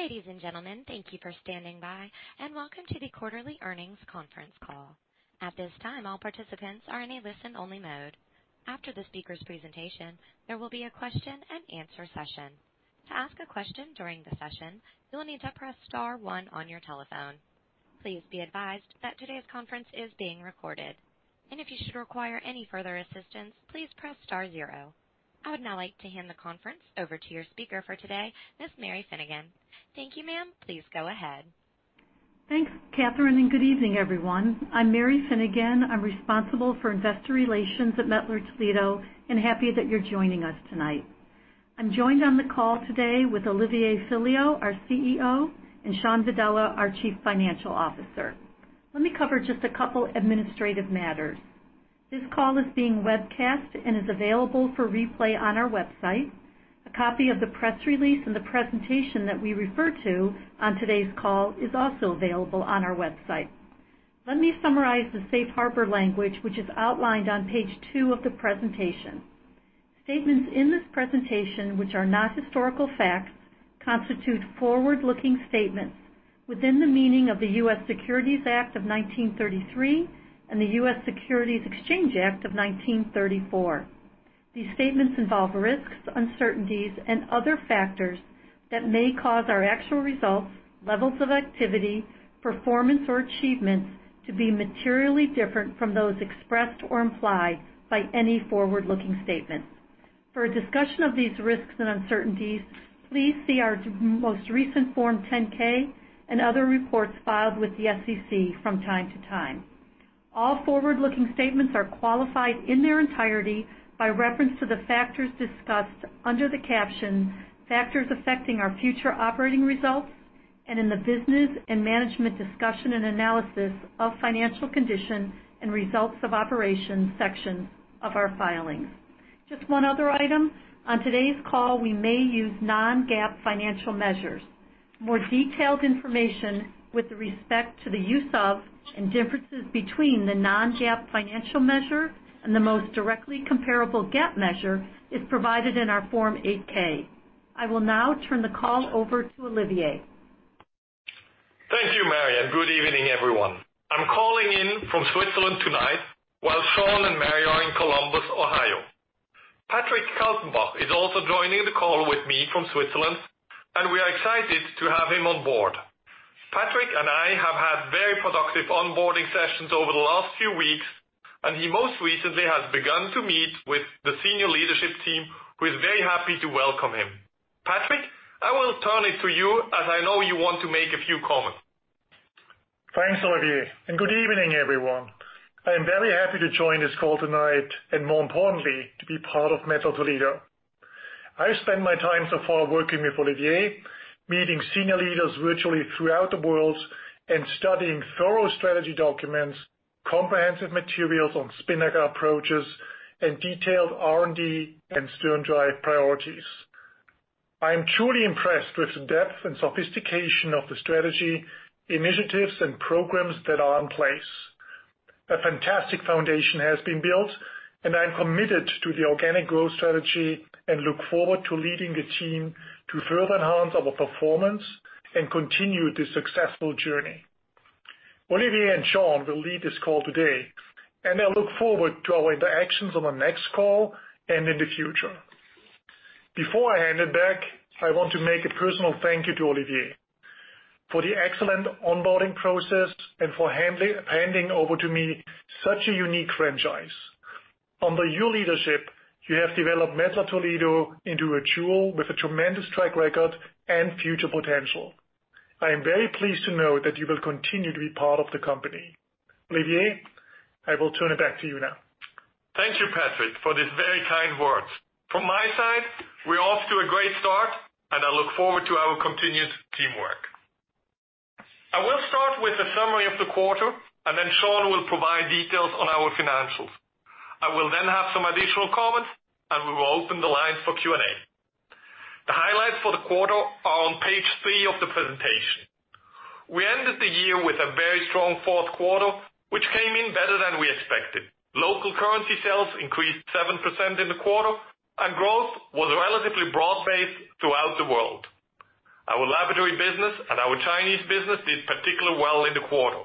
Ladies and gentlemen, thank you for standing by, and welcome to the quarterly earnings conference call. At this time, all participants are in a listen-only mode. After the speaker's presentation, there will be a question-and-answer session. To ask a question during the session, you'll need to press star one on your telephone. Please be advised that today's conference is being recorded, and if you should require any further assistance, please press star zero. I would now like to hand the conference over to your speaker for today, Ms. Mary Finnegan. Thank you, ma'am. Please go ahead. Thanks, Katherine, and good evening, everyone. I'm Mary Finnegan. I'm responsible for Investor Relations at Mettler-Toledo, and happy that you're joining us tonight. I'm joined on the call today with Olivier Filliol, our CEO, and Shawn Vadala, our Chief Financial Officer. Let me cover just a couple of administrative matters. This call is being webcast and is available for replay on our website. A copy of the press release and the presentation that we refer to on today's call is also available on our website. Let me summarize the safe harbor language, which is outlined on page two of the presentation. Statements in this presentation, which are not historical facts, constitute forward-looking statements within the meaning of the U.S. Securities Act of 1933 and the U.S. Securities Exchange Act of 1934. These statements involve risks, uncertainties, and other factors that may cause our actual results, levels of activity, performance, or achievements to be materially different from those expressed or implied by any forward-looking statement. For a discussion of these risks and uncertainties, please see our most recent Form 10-K and other reports filed with the SEC from time to time. All forward-looking statements are qualified in their entirety by reference to the factors discussed under the caption, "Factors Affecting Our Future Operating Results," and in the business and management discussion and analysis of financial condition and results of operations section of our filings. Just one other item. On today's call, we may use non-GAAP financial measures. More detailed information with respect to the use of and differences between the non-GAAP financial measure and the most directly comparable GAAP measure is provided in our Form 8-K. I will now turn the call over to Olivier. Thank you, Mary. Good evening, everyone. I'm calling in from Switzerland tonight while Shawn and Mary are in Columbus, Ohio. Patrick Kaltenbach is also joining the call with me from Switzerland, and we are excited to have him on board. Patrick and I have had very productive onboarding sessions over the last few weeks, and he most recently has begun to meet with the senior leadership team, who is very happy to welcome him. Patrick, I will turn it to you, as I know you want to make a few comments. Thanks, Olivier. Good evening, everyone. I am very happy to join this call tonight, and more importantly, to be part of Mettler-Toledo. I've spent my time so far working with Olivier, meeting senior leaders virtually throughout the world, and studying thorough strategy documents, comprehensive materials on Spinnaker approaches, and detailed R&D and SternDrive priorities. I am truly impressed with the depth and sophistication of the strategy, initiatives, and programs that are in place. A fantastic foundation has been built, and I'm committed to the organic growth strategy and look forward to leading the team to further enhance our performance and continue this successful journey. Olivier and Shawn will lead this call today, and I look forward to our interactions on the next call and in the future. Before I hand it back, I want to make a personal thank you to Olivier for the excellent onboarding process and for handing over to me such a unique franchise. Under your leadership, you have developed Mettler-Toledo into a jewel with a tremendous track record and future potential. I am very pleased to know that you will continue to be part of the company. Olivier, I will turn it back to you now. Thank you, Patrick, for these very kind words. From my side, we're off to a great start, and I look forward to our continued teamwork. I will start with a summary of the quarter, and then Shawn will provide details on our financials. I will then have some additional comments, and we will open the lines for Q&A. The highlights for the quarter are on page three of the presentation. We ended the year with a very strong fourth quarter, which came in better than we expected. Local currency sales increased 7% in the quarter, and growth was relatively broad-based throughout the world. Our laboratory business and our Chinese business did particularly well in the quarter.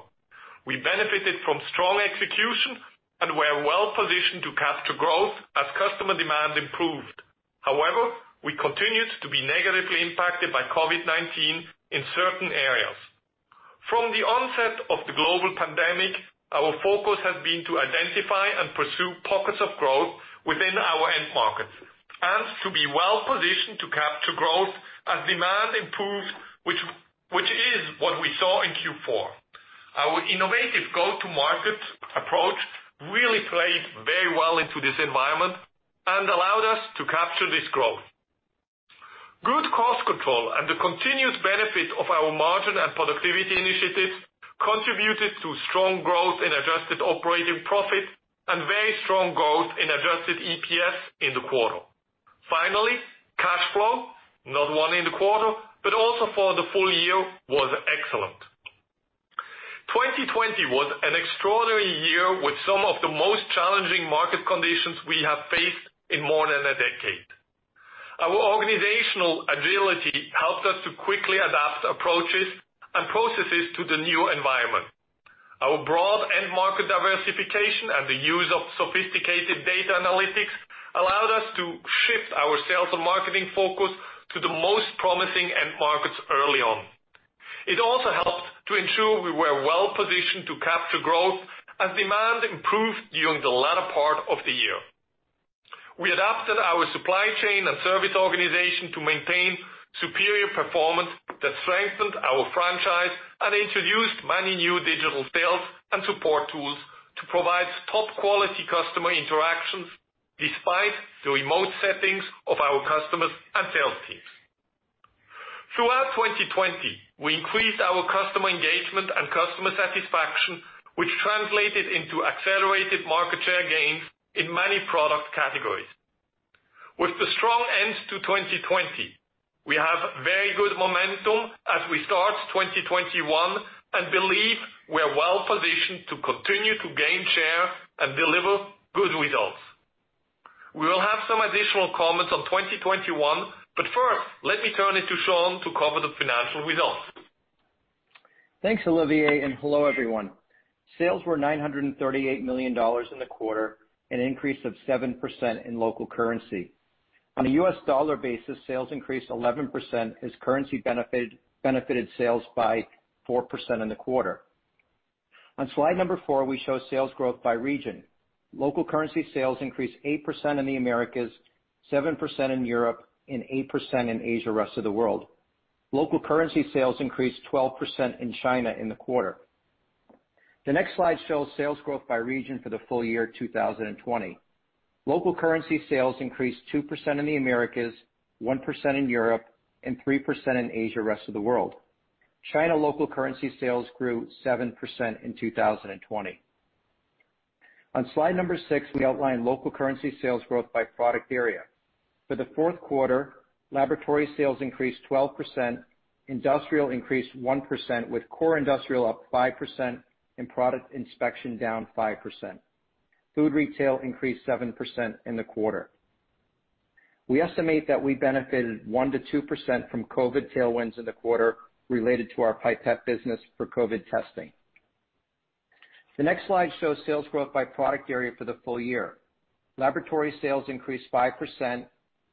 We benefited from strong execution and were well-positioned to capture growth as customer demand improved. However, we continued to be negatively impacted by COVID-19 in certain areas. From the onset of the global pandemic, our focus has been to identify and pursue pockets of growth within our end markets and to be well-positioned to capture growth as demand improved, which is what we saw in Q4. Our innovative go-to-market approach really played very well into this environment and allowed us to capture this growth. Good cost control and the continuous benefit of our margin and productivity initiatives contributed to strong growth in adjusted operating profit and very strong growth in adjusted EPS in the quarter. Finally, cash flow, not only in the quarter, but also for the full year, was excellent. 2020 was an extraordinary year with some of the most challenging market conditions we have faced in more than a decade. Our organizational agility helped us to quickly adapt approaches and processes to the new environment. Our broad end market diversification and the use of sophisticated data analytics allowed us to shift our sales and marketing focus to the most promising end markets early on. It also helped to ensure we were well-positioned to capture growth as demand improved during the latter part of the year. We adapted our supply chain and service organization to maintain superior performance that strengthened our franchise and introduced many new digital sales and support tools to provide top-quality customer interactions despite the remote settings of our customers and sales teams. Throughout 2020, we increased our customer engagement and customer satisfaction, which translated into accelerated market share gains in many product categories. With the strong end to 2020, we have very good momentum as we start 2021 and believe we're well-positioned to continue to gain share and deliver good results. We will have some additional comments on 2021, but first, let me turn it to Shawn to cover the financial results. Thanks, Olivier, and hello, everyone. Sales were $938 million in the quarter, an increase of 7% in local currency. On a U.S. dollar basis, sales increased 11%, as currency benefited sales by 4% in the quarter. On slide number four, we show sales growth by region. Local currency sales increased 8% in the Americas, 7% in Europe, and 8% in Asia rest of the world. Local currency sales increased 12% in China in the quarter. The next slide shows sales growth by region for the full year 2020. Local currency sales increased 2% in the Americas, 1% in Europe, and 3% in Asia rest of the world. China local currency sales grew 7% in 2020. On slide number six, we outline local currency sales growth by product area. For the fourth quarter, laboratory sales increased 12%, industrial increased 1%, with core industrial up 5% and Product Inspection down 5%. Food retail increased 7% in the quarter. We estimate that we benefited 1%-2% from COVID tailwinds in the quarter related to our pipette business for COVID testing. The next slide shows sales growth by product area for the full year. Laboratory sales increased 5%,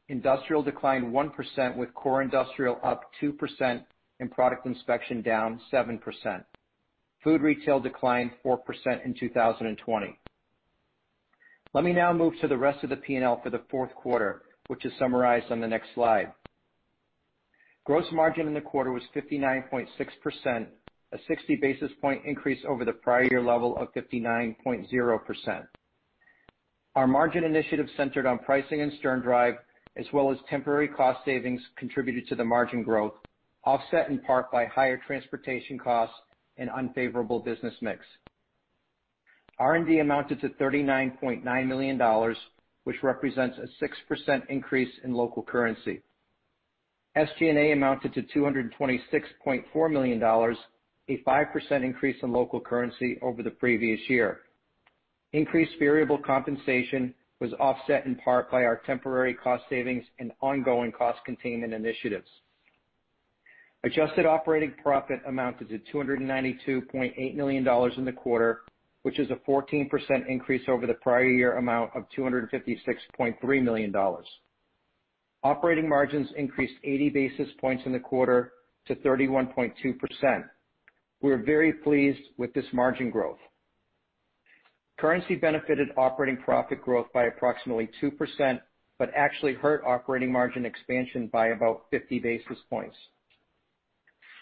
industrial declined 1%, with core industrial up 2% and Product Inspection down 7%. Food retail declined 4% in 2020. Let me now move to the rest of the P&L for the fourth quarter, which is summarized on the next slide. Gross margin in the quarter was 59.6%, a 60 basis point increase over the prior year level of 59.0%. Our margin initiative centered on pricing and SternDrive, as well as temporary cost savings, contributed to the margin growth, offset in part by higher transportation costs and unfavorable business mix. R&D amounted to $39.9 million, which represents a 6% increase in local currency. SG&A amounted to $226.4 million, a 5% increase in local currency over the previous year. Increased variable compensation was offset in part by our temporary cost savings and ongoing cost containment initiatives. Adjusted operating profit amounted to $292.8 million in the quarter, which is a 14% increase over the prior year amount of $256.3 million. Operating margins increased 80 basis points in the quarter to 31.2%. We're very pleased with this margin growth. Currency benefited operating profit growth by approximately 2%, but actually hurt operating margin expansion by about 50 basis points.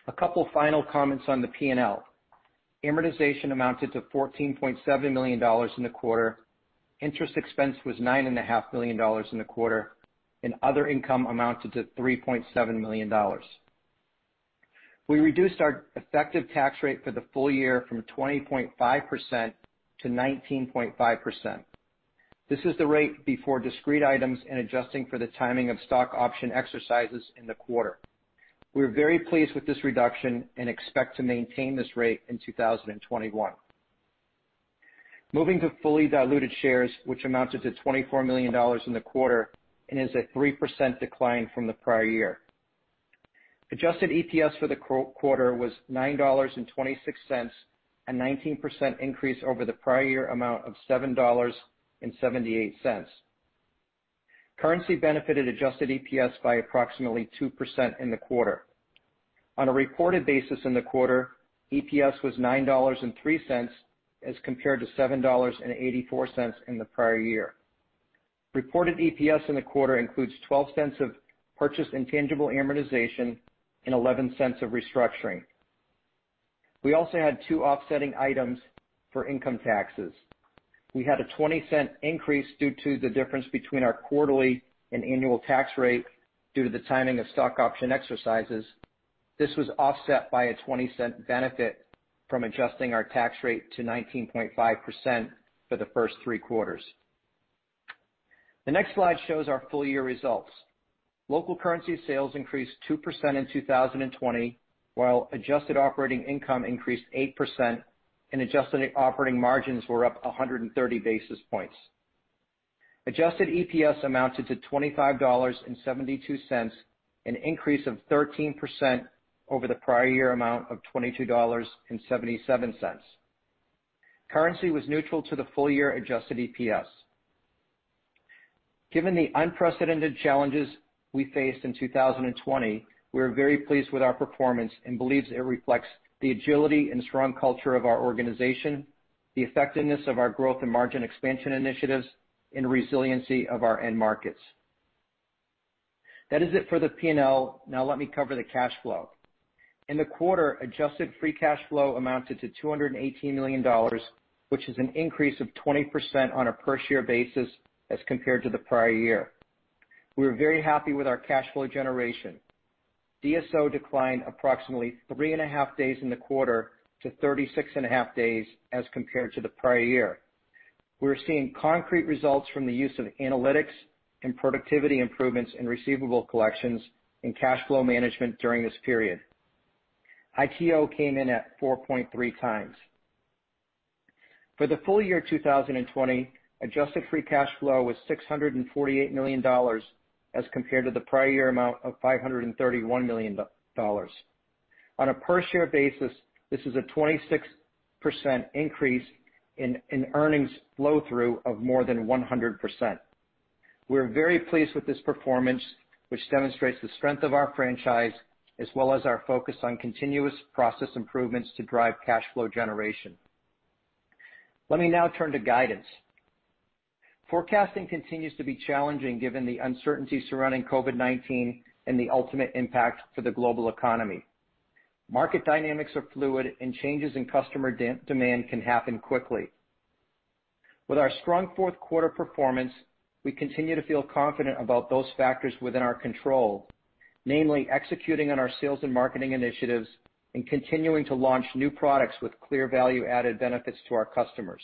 A couple of final comments on the P&L. Amortization amounted to $14.7 million in the quarter. Interest expense was $9.5 million in the quarter, and other income amounted to $3.7 million. We reduced our effective tax rate for the full year from 20.5% to 19.5%. This is the rate before discrete items and adjusting for the timing of stock option exercises in the quarter. We're very pleased with this reduction and expect to maintain this rate in 2021. Moving to fully diluted shares, which amounted to 24 million in the quarter and is a 3% decline from the prior year. Adjusted EPS for the quarter was $9.26, a 19% increase over the prior year amount of $7.78. Currency benefited adjusted EPS by approximately 2% in the quarter. On a reported basis in the quarter, EPS was $9.03 as compared to $7.84 in the prior year. Reported EPS in the quarter includes $0.12 of purchased intangible amortization and $0.11 of restructuring. We also had two offsetting items for income taxes. We had a $0.20 increase due to the difference between our quarterly and annual tax rate due to the timing of stock option exercises. This was offset by a $0.20 benefit from adjusting our tax rate to 19.5% for the first three quarters. The next slide shows our full year results. Local currency sales increased 2% in 2020, while adjusted operating income increased 8%, and adjusted operating margins were up 130 basis points. Adjusted EPS amounted to $25.72, an increase of 13% over the prior year amount of $22.77. Currency was neutral to the full year adjusted EPS. Given the unprecedented challenges we faced in 2020, we are very pleased with our performance and believe it reflects the agility and strong culture of our organization, the effectiveness of our growth and margin expansion initiatives, and resiliency of our end markets. That is it for the P&L. Now let me cover the cash flow. In the quarter, adjusted free cash flow amounted to $218 million, which is an increase of 20% on a per-share basis as compared to the prior year. We're very happy with our cash flow generation. DSO declined approximately three and a half days in the quarter to 36 and a half days as compared to the prior year. We're seeing concrete results from the use of analytics and productivity improvements in receivable collections and cash flow management during this period. ITO came in at 4.3x. For the full year 2020, adjusted free cash flow was $648 million as compared to the prior year amount of $531 million. On a per-share basis, this is a 26% increase in earnings flow-through of more than 100%. We're very pleased with this performance, which demonstrates the strength of our franchise as well as our focus on continuous process improvements to drive cash flow generation. Let me now turn to guidance. Forecasting continues to be challenging given the uncertainty surrounding COVID-19 and the ultimate impact for the global economy. Market dynamics are fluid, and changes in customer demand can happen quickly. With our strong fourth quarter performance, we continue to feel confident about those factors within our control, namely executing on our sales and marketing initiatives and continuing to launch new products with clear value-added benefits to our customers.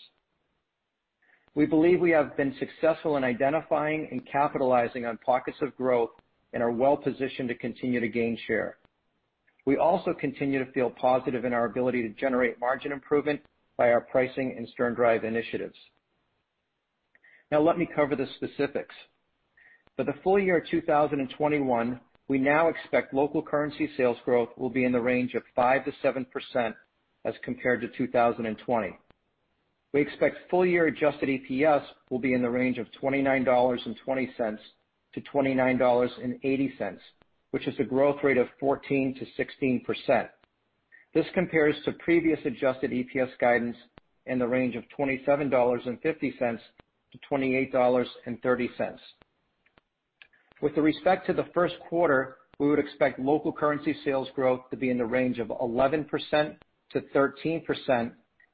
We believe we have been successful in identifying and capitalizing on pockets of growth and are well-positioned to continue to gain share. We also continue to feel positive in our ability to generate margin improvement by our pricing and SternDrive initiatives. Now let me cover the specifics. For the full year 2021, we now expect local currency sales growth will be in the range of 5%-7% as compared to 2020. We expect full year adjusted EPS will be in the range of $29.20-$29.80, which is a growth rate of 14%-16%. This compares to previous adjusted EPS guidance in the range of $27.50-$28.30. With respect to the first quarter, we would expect local currency sales growth to be in the range of 11%-13%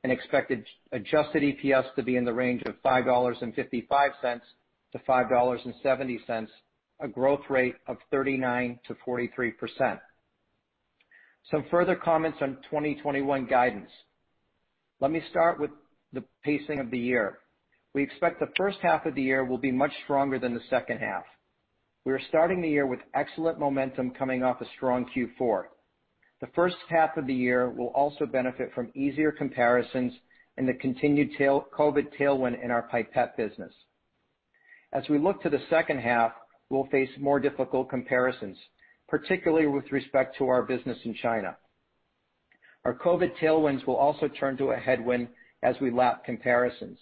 and expected adjusted EPS to be in the range of $5.55-$5.70, a growth rate of 39%-43%. Some further comments on 2021 guidance. Let me start with the pacing of the year. We expect the first half of the year will be much stronger than the second half. We are starting the year with excellent momentum coming off a strong Q4. The first half of the year will also benefit from easier comparisons and the continued COVID tailwind in our pipette business. As we look to the second half, we'll face more difficult comparisons, particularly with respect to our business in China. Our COVID tailwinds will also turn to a headwind as we lap comparisons.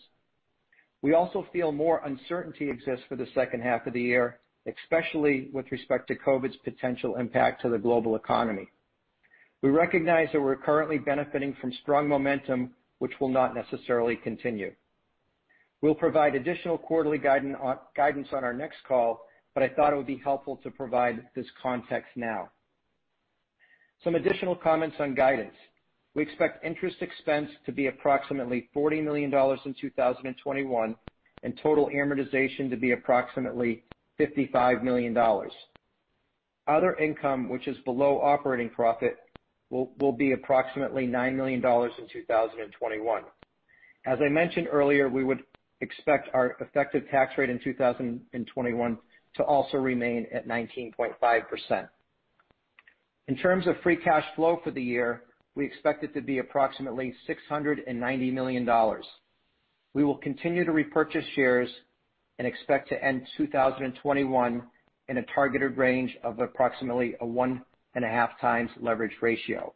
We also feel more uncertainty exists for the second half of the year, especially with respect to COVID's potential impact to the global economy. We recognize that we're currently benefiting from strong momentum, which will not necessarily continue. We'll provide additional quarterly guidance on our next call, but I thought it would be helpful to provide this context now. Some additional comments on guidance. We expect interest expense to be approximately $40 million in 2021 and total amortization to be approximately $55 million. Other income, which is below operating profit, will be approximately $9 million in 2021. As I mentioned earlier, we would expect our effective tax rate in 2021 to also remain at 19.5%. In terms of free cash flow for the year, we expect it to be approximately $690 million. We will continue to repurchase shares and expect to end 2021 in a targeted range of approximately a 1.5x leverage ratio.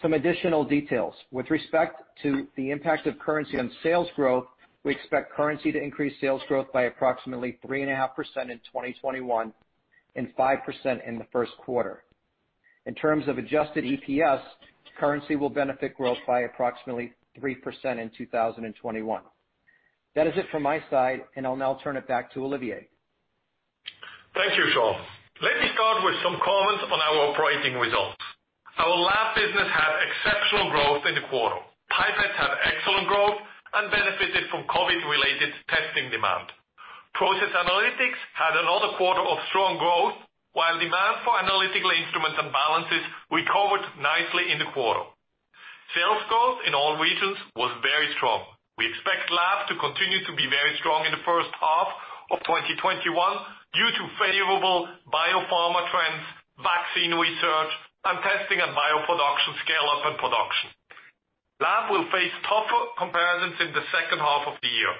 Some additional details. With respect to the impact of currency on sales growth, we expect currency to increase sales growth by approximately 3.5% in 2021 and 5% in the first quarter. In terms of adjusted EPS, currency will benefit growth by approximately 3% in 2021. That is it from my side, and I'll now turn it back to Olivier. Thank you, Shawn. Let me start with some comments on our operating results. Our lab business had exceptional growth in the quarter. Pipettes had excellent growth and benefited from COVID-related testing demand. Process analytics had another quarter of strong growth, while demand for analytical instruments and balances recovered nicely in the quarter. Sales growth in all regions was very strong. We expect lab to continue to be very strong in the first half of 2021 due to favorable biopharma trends, vaccine research, and testing and bioproduction scale-up and production. Lab will face tougher comparisons in the second half of the year.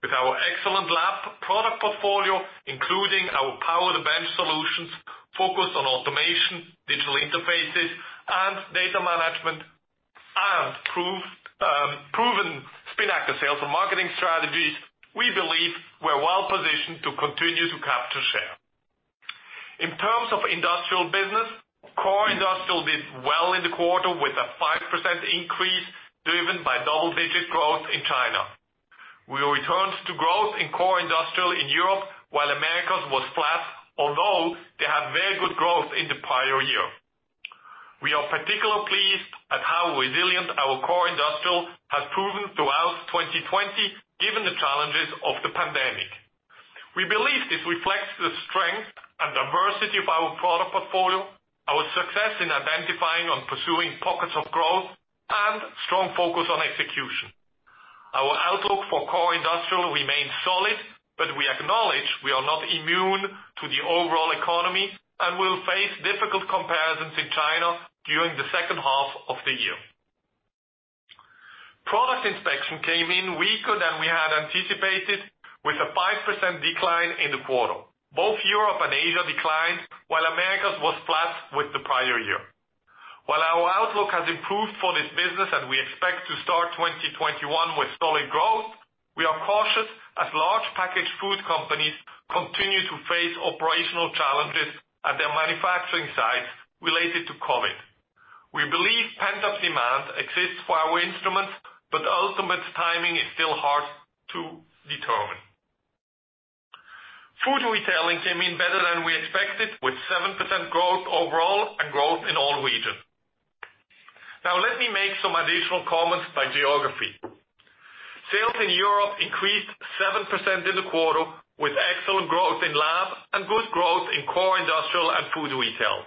With our excellent lab product portfolio, including our power-to-bench solutions focused on automation, digital interfaces, and data management, and proven spin actor sales and marketing strategies, we believe we're well-positioned to continue to capture share. In terms of industrial business, core industrial did well in the quarter with a 5% increase driven by double-digit growth in China. We returned to growth in core industrial in Europe, while Americas was flat, although they had very good growth in the prior year. We are particularly pleased at how resilient our core industrial has proven throughout 2020, given the challenges of the pandemic. We believe this reflects the strength and diversity of our product portfolio, our success in identifying and pursuing pockets of growth, and strong focus on execution. Our outlook for core industrial remains solid, but we acknowledge we are not immune to the overall economy and will face difficult comparisons in China during the second half of the year. Product Inspection came in weaker than we had anticipated, with a 5% decline in the quarter. Both Europe and Asia declined, while Americas was flat with the prior year. While our outlook has improved for this business and we expect to start 2021 with solid growth, we are cautious as large packaged food companies continue to face operational challenges at their manufacturing sites related to COVID. We believe pent-up demand exists for our instruments, but ultimate timing is still hard to determine. Food retailing came in better than we expected, with 7% growth overall and growth in all regions. Now let me make some additional comments by geography. Sales in Europe increased 7% in the quarter, with excellent growth in lab and good growth in core industrial and food retail.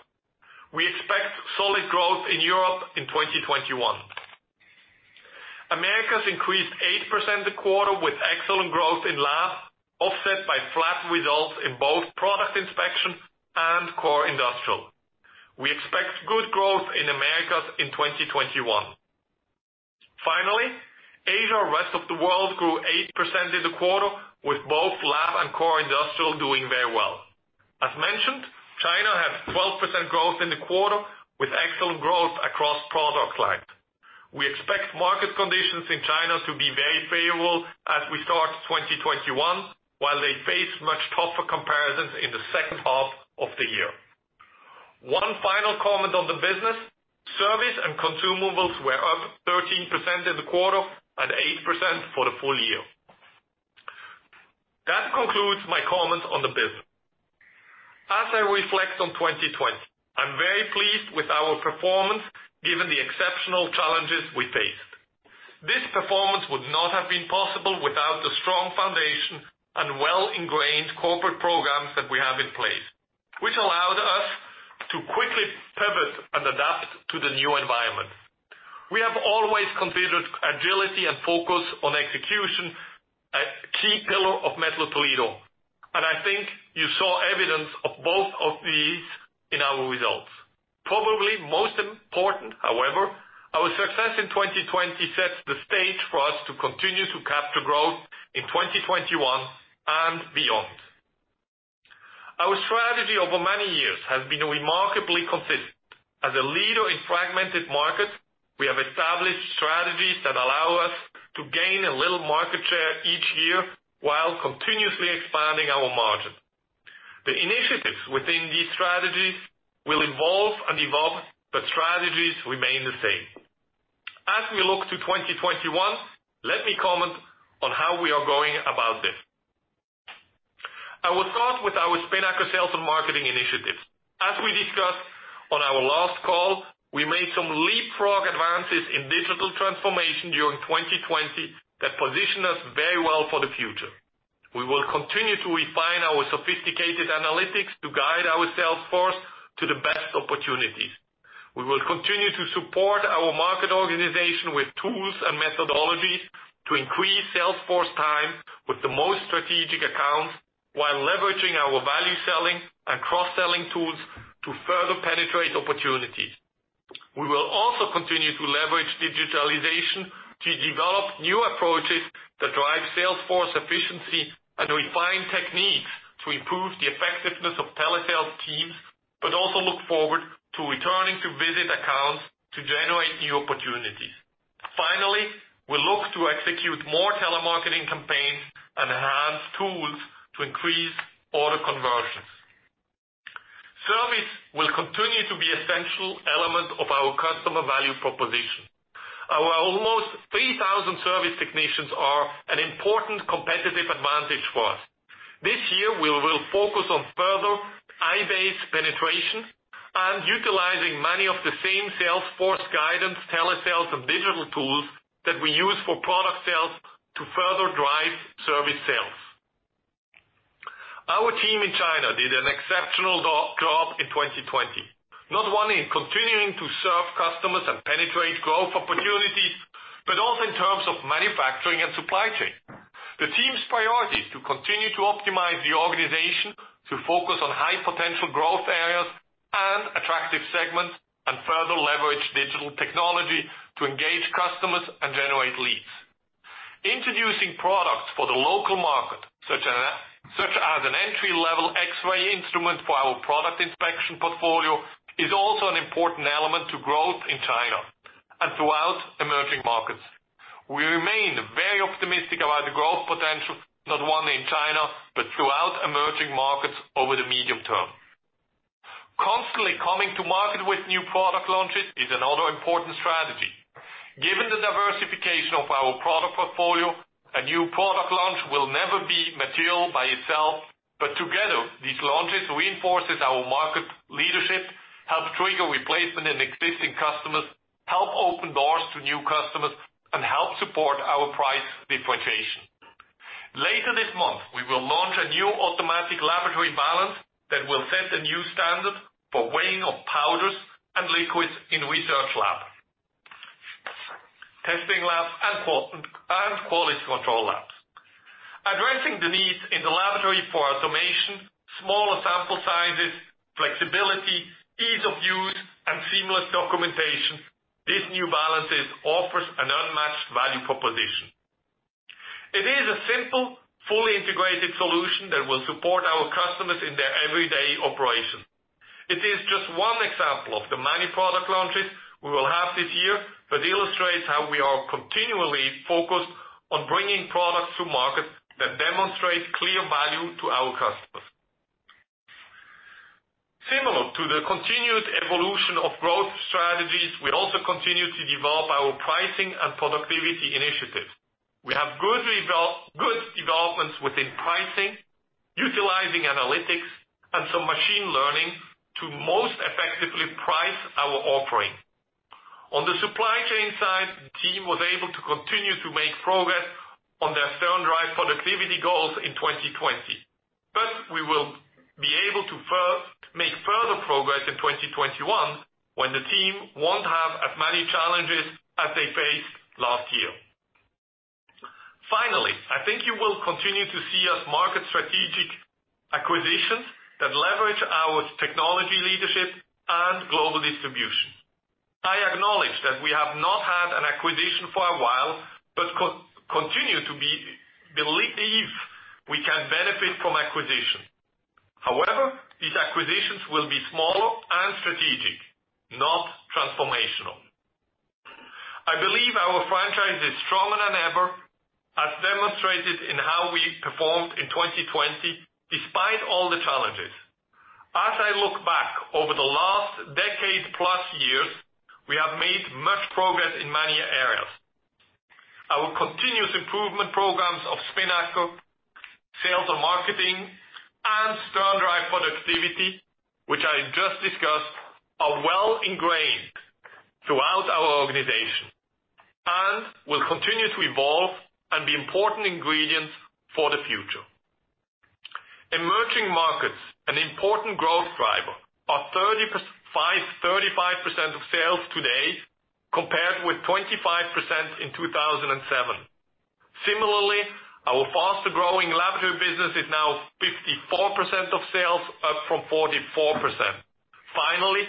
We expect solid growth in Europe in 2021. Americas increased 8% in the quarter, with excellent growth in lab, offset by flat results in both Product Inspection and core industrial. We expect good growth in Americas in 2021. Finally, Asia and rest of the world grew 8% in the quarter, with both lab and core industrial doing very well. As mentioned, China had 12% growth in the quarter, with excellent growth across product lines. We expect market conditions in China to be very favorable as we start 2021, while they face much tougher comparisons in the second half of the year. One final comment on the business: service and consumables were up 13% in the quarter and 8% for the full year. That concludes my comments on the business. As I reflect on 2020, I'm very pleased with our performance given the exceptional challenges we faced. This performance would not have been possible without the strong foundation and well-ingrained corporate programs that we have in place, which allowed us to quickly pivot and adapt to the new environment. We have always considered agility and focus on execution a key pillar of Mettler-Toledo, and I think you saw evidence of both of these in our results. Probably most important, however, our success in 2020 sets the stage for us to continue to capture growth in 2021 and beyond. Our strategy over many years has been remarkably consistent. As a leader in fragmented markets, we have established strategies that allow us to gain a little market share each year while continuously expanding our margin. The initiatives within these strategies will evolve and evolve, but strategies remain the same. As we look to 2021, let me comment on how we are going about this. I will start with our spin actor sales and marketing initiatives. As we discussed on our last call, we made some leapfrog advances in digital transformation during 2020 that positioned us very well for the future. We will continue to refine our sophisticated analytics to guide our sales force to the best opportunities. We will continue to support our market organization with tools and methodologies to increase sales force time with the most strategic accounts while leveraging our value selling and cross-selling tools to further penetrate opportunities. We will also continue to leverage digitalization to develop new approaches that drive sales force efficiency and refine techniques to improve the effectiveness of telesales teams, but also look forward to returning to visit accounts to generate new opportunities. Finally, we will look to execute more telemarketing campaigns and enhance tools to increase order conversions. Service will continue to be an essential element of our customer value proposition. Our almost 3,000 service technicians are an important competitive advantage for us. This year, we will focus on further iBASE penetration and utilizing many of the same sales force guidance, telesales, and digital tools that we use for product sales to further drive service sales. Our team in China did an exceptional job in 2020, not only in continuing to serve customers and penetrate growth opportunities, but also in terms of manufacturing and supply chain. The team's priority is to continue to optimize the organization to focus on high potential growth areas and attractive segments and further leverage digital technology to engage customers and generate leads. Introducing products for the local market, such as an entry-level X-ray instrument for our Product Inspection portfolio, is also an important element to growth in China and throughout emerging markets. We remain very optimistic about the growth potential, not only in China but throughout emerging markets over the medium term. Constantly coming to market with new product launches is another important strategy. Given the diversification of our product portfolio, a new product launch will never be material by itself, but together, these launches reinforce our market leadership, help trigger replacement in existing customers, help open doors to new customers, and help support our price differentiation. Later this month, we will launch a new automatic laboratory balance that will set a new standard for weighing of powders and liquids in research labs, testing labs, and quality control labs. Addressing the needs in the laboratory for automation, smaller sample sizes, flexibility, ease of use, and seamless documentation, this new balance offers an unmatched value proposition. It is a simple, fully integrated solution that will support our customers in their everyday operations. It is just one example of the many product launches we will have this year, but illustrates how we are continually focused on bringing products to market that demonstrate clear value to our customers. Similar to the continued evolution of growth strategies, we also continue to develop our pricing and productivity initiatives. We have good developments within pricing, utilizing analytics and some machine learning to most effectively price our offering. On the supply chain side, the team was able to continue to make progress on their SternDrive productivity goals in 2020, but we will be able to make further progress in 2021 when the team won't have as many challenges as they faced last year. Finally, I think you will continue to see us market strategic acquisitions that leverage our technology leadership and global distribution. I acknowledge that we have not had an acquisition for a while but continue to believe we can benefit from acquisitions. However, these acquisitions will be smaller and strategic, not transformational. I believe our franchise is stronger than ever, as demonstrated in how we performed in 2020 despite all the challenges. As I look back over the last decade-plus years, we have made much progress in many areas. Our continuous improvement programs of Spinnaker, sales and marketing, and SternDrive productivity, which I just discussed, are well ingrained throughout our organization and will continue to evolve and be important ingredients for the future. Emerging markets, an important growth driver, are 35% of sales today compared with 25% in 2007. Similarly, our faster-growing laboratory business is now 54% of sales, up from 44%. Finally,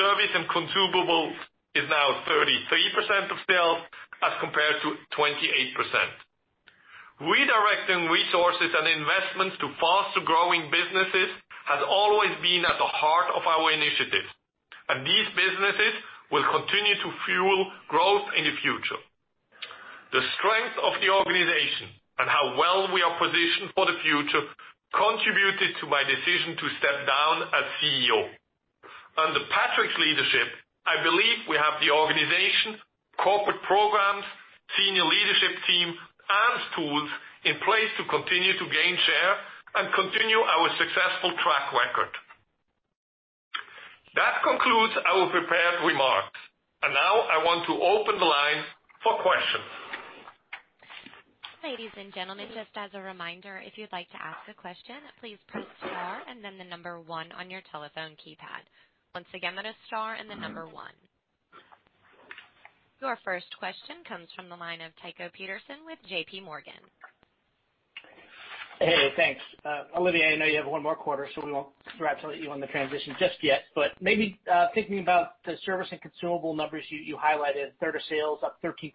service and consumables is now 33% of sales as compared to 28%. Redirecting resources and investments to faster-growing businesses has always been at the heart of our initiatives, and these businesses will continue to fuel growth in the future. The strength of the organization and how well we are positioned for the future contributed to my decision to step down as CEO. Under Patrick's leadership, I believe we have the organization, corporate programs, senior leadership team, and tools in place to continue to gain share and continue our successful track record. That concludes our prepared remarks, and now I want to open the line for questions. Ladies and gentlemen, just as a reminder, if you'd like to ask a question, please press star and then the number one on your telephone keypad. Once again, that is star and the number one. Your first question comes from the line of Tycho Peterson with JPMorgan. Hey, thanks. Olivier, I know you have one more quarter, so we won't congratulate you on the transition just yet, but maybe thinking about the service and consumable numbers you highlighted, third of sales up 13%.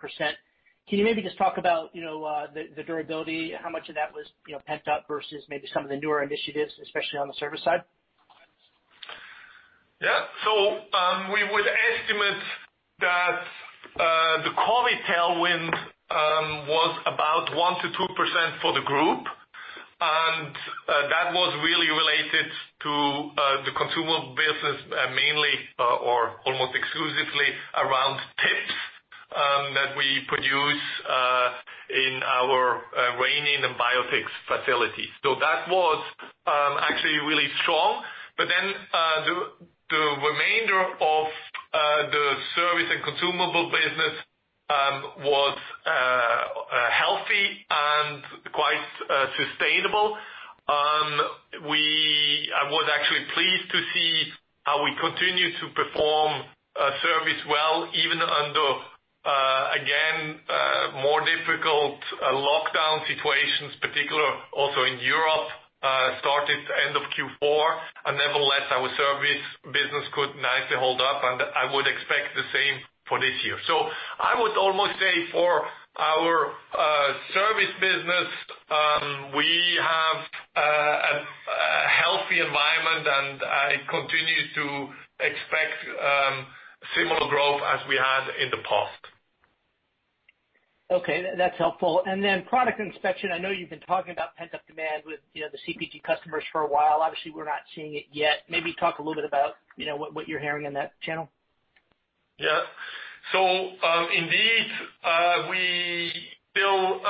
Can you maybe just talk about the durability, how much of that was pent up versus maybe some of the newer initiatives, especially on the service side? Yeah. We would estimate that the core retail wind was about 1%-2% for the group, and that was really related to the consumer business mainly or almost exclusively around tips that we produce in our Rainin and Biotix facilities. That was actually really strong, but then the remainder of the service and consumable business was healthy and quite sustainable. I was actually pleased to see how we continue to perform service well even under, again, more difficult lockdown situations, particularly also in Europe, started end of Q4. Nevertheless, our service business could nicely hold up, and I would expect the same for this year. I would almost say for our service business, we have a healthy environment, and I continue to expect similar growth as we had in the past. Okay. That's helpful. Then Product Inspection, I know you've been talking about pent-up demand with the CPG customers for a while. Obviously, we're not seeing it yet. Maybe talk a little bit about what you're hearing in that channel. Yeah. So indeed, we still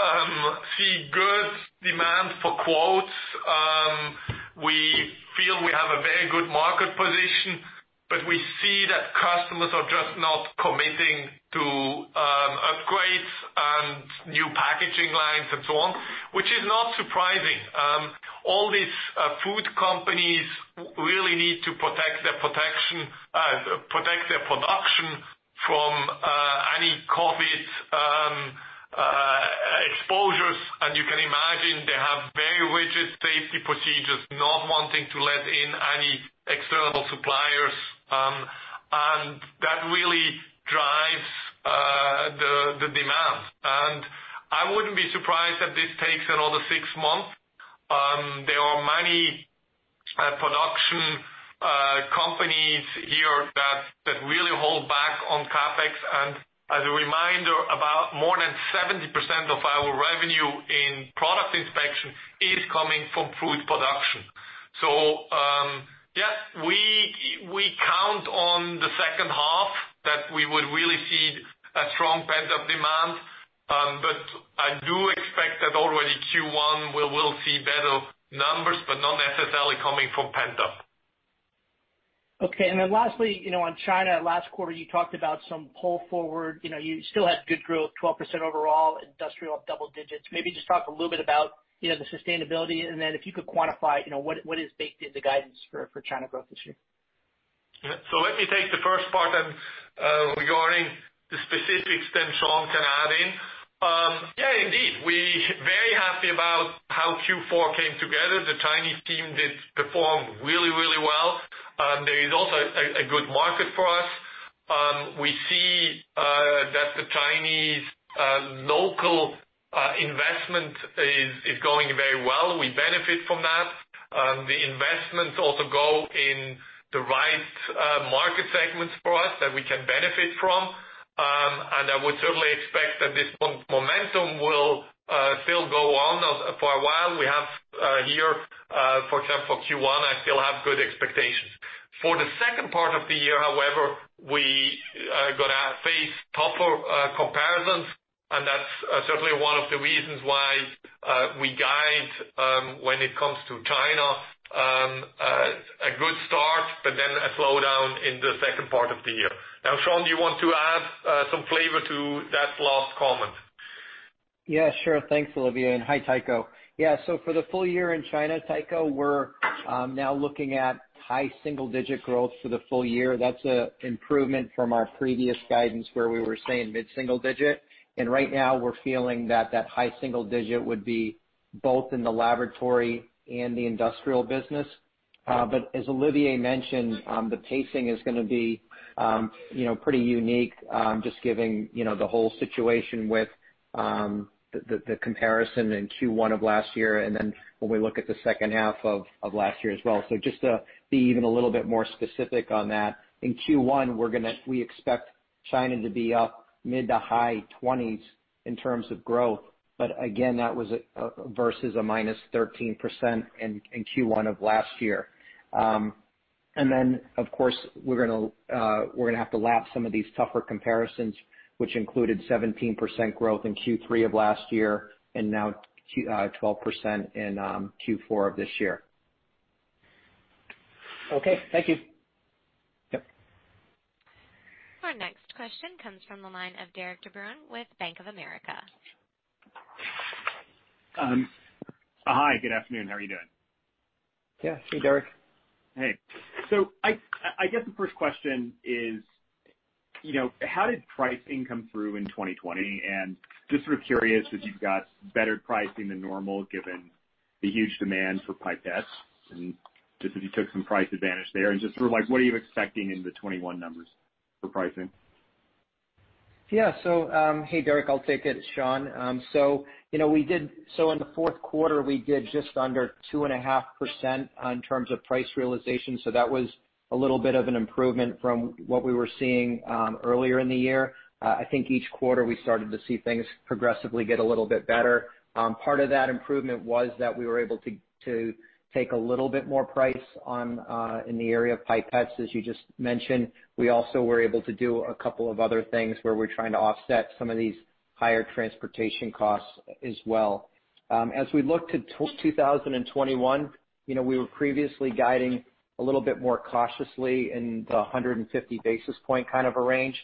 see good demand for quotes. We feel we have a very good market position, but we see that customers are just not committing to upgrades and new packaging lines and so on, which is not surprising. All these food companies really need to protect their production from any COVID exposures, and you can imagine they have very rigid safety procedures, not wanting to let in any external suppliers, and that really drives the demand. I would not be surprised if this takes another six months. There are many production companies here that really hold back on CapEx, and as a reminder, more than 70% of our revenue in Product Inspection is coming from food production. Yeah, we count on the second half that we would really see a strong pent-up demand, but I do expect that already Q1 we will see better numbers, but not necessarily coming from pent-up. Okay. Lastly, on China, last quarter, you talked about some pull forward. You still had good growth, 12% overall, industrial double digits. Maybe just talk a little bit about the sustainability, and then if you could quantify what is baked in the guidance for China growth this year. Yeah. Let me take the first part regarding the specifics, then Shawn can add in. Yeah, indeed, we are very happy about how Q4 came together. The Chinese team did perform really, really well. There is also a good market for us. We see that the Chinese local investment is going very well. We benefit from that. The investments also go in the right market segments for us that we can benefit from, and I would certainly expect that this momentum will still go on for a while. We have here, for example, Q1, I still have good expectations. For the second part of the year, however, we are going to face tougher comparisons, and that is certainly one of the reasons why we guide when it comes to China, a good start, but then a slowdown in the second part of the year. Now, Shawn, do you want to add some flavor to that last comment? Yeah, sure. Thanks, Olivier. And hi, Tycho. Yeah. For the full year in China, Tycho, we're now looking at high single-digit growth for the full year. That's an improvement from our previous guidance where we were saying mid-single digit, and right now we're feeling that that high single digit would be both in the laboratory and the industrial business. As Olivier mentioned, the pacing is going to be pretty unique, just giving the whole situation with the comparison in Q1 of last year and then when we look at the second half of last year as well. Just to be even a little bit more specific on that, in Q1, we expect China to be up mid to high 20% in terms of growth, but again, that was versus a -13% in Q1 of last year. Of course, we're going to have to lap some of these tougher comparisons, which included 17% growth in Q3 of last year and now 12% in Q4 of this year. Okay. Thank you. Yep. Our next question comes from the line of Derik De Bruin with Bank of America. Hi. Good afternoon. How are you doing? Yeah. Hey, Derik. Hey. I guess the first question is, how did pricing come through in 2020? I am just sort of curious, because you got better pricing than normal given the huge demand for pipettes, and just if you took some price advantage there, and just sort of what are you expecting in the 2021 numbers for pricing? Yeah. Hey, Derik, I'll take it, Shawn. In the fourth quarter, we did just under 2.5% in terms of price realization, so that was a little bit of an improvement from what we were seeing earlier in the year. I think each quarter we started to see things progressively get a little bit better. Part of that improvement was that we were able to take a little bit more price in the area of pipettes, as you just mentioned. We also were able to do a couple of other things where we're trying to offset some of these higher transportation costs as well. As we look to 2021, we were previously guiding a little bit more cautiously in the 150 basis point kind of a range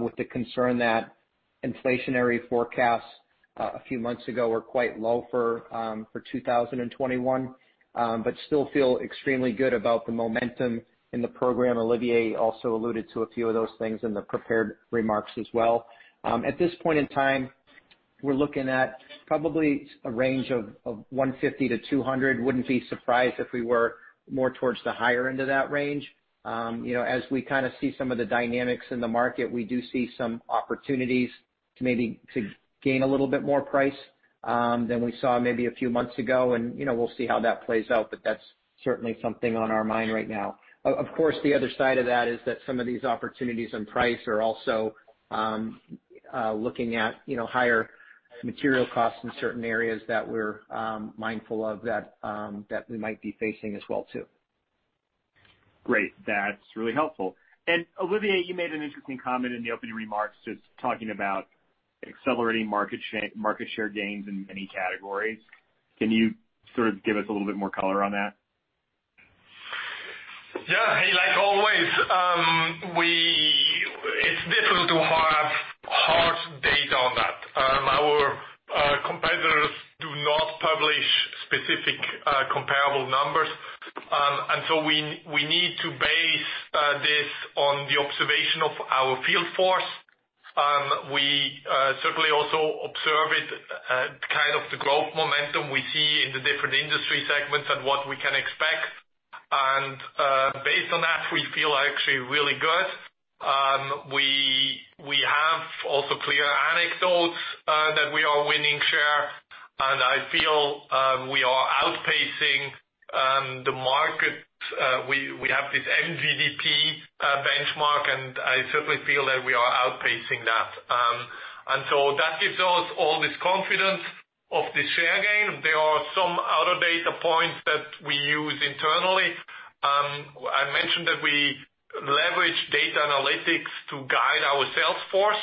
with the concern that inflationary forecasts a few months ago were quite low for 2021, but still feel extremely good about the momentum in the program. Olivier also alluded to a few of those things in the prepared remarks as well. At this point in time, we're looking at probably a range of 150-200. Wouldn't be surprised if we were more towards the higher end of that range. As we kind of see some of the dynamics in the market, we do see some opportunities to maybe gain a little bit more price than we saw maybe a few months ago, and we'll see how that plays out, but that's certainly something on our mind right now. Of course, the other side of that is that some of these opportunities in price are also looking at higher material costs in certain areas that we're mindful of that we might be facing as well. Great. That's really helpful. Olivier, you made an interesting comment in the opening remarks just talking about accelerating market share gains in many categories. Can you sort of give us a little bit more color on that? Yeah. Like always, it's difficult to have hard data on that. Our competitors do not publish specific comparable numbers, and so we need to base this on the observation of our field force. We certainly also observe kind of the growth momentum we see in the different industry segments and what we can expect, and based on that, we feel actually really good. We have also clear anecdotes that we are winning share, and I feel we are outpacing the market. We have this MVDP benchmark, and I certainly feel that we are outpacing that. That gives us all this confidence of the share gain. There are some other data points that we use internally. I mentioned that we leverage data analytics to guide our sales force.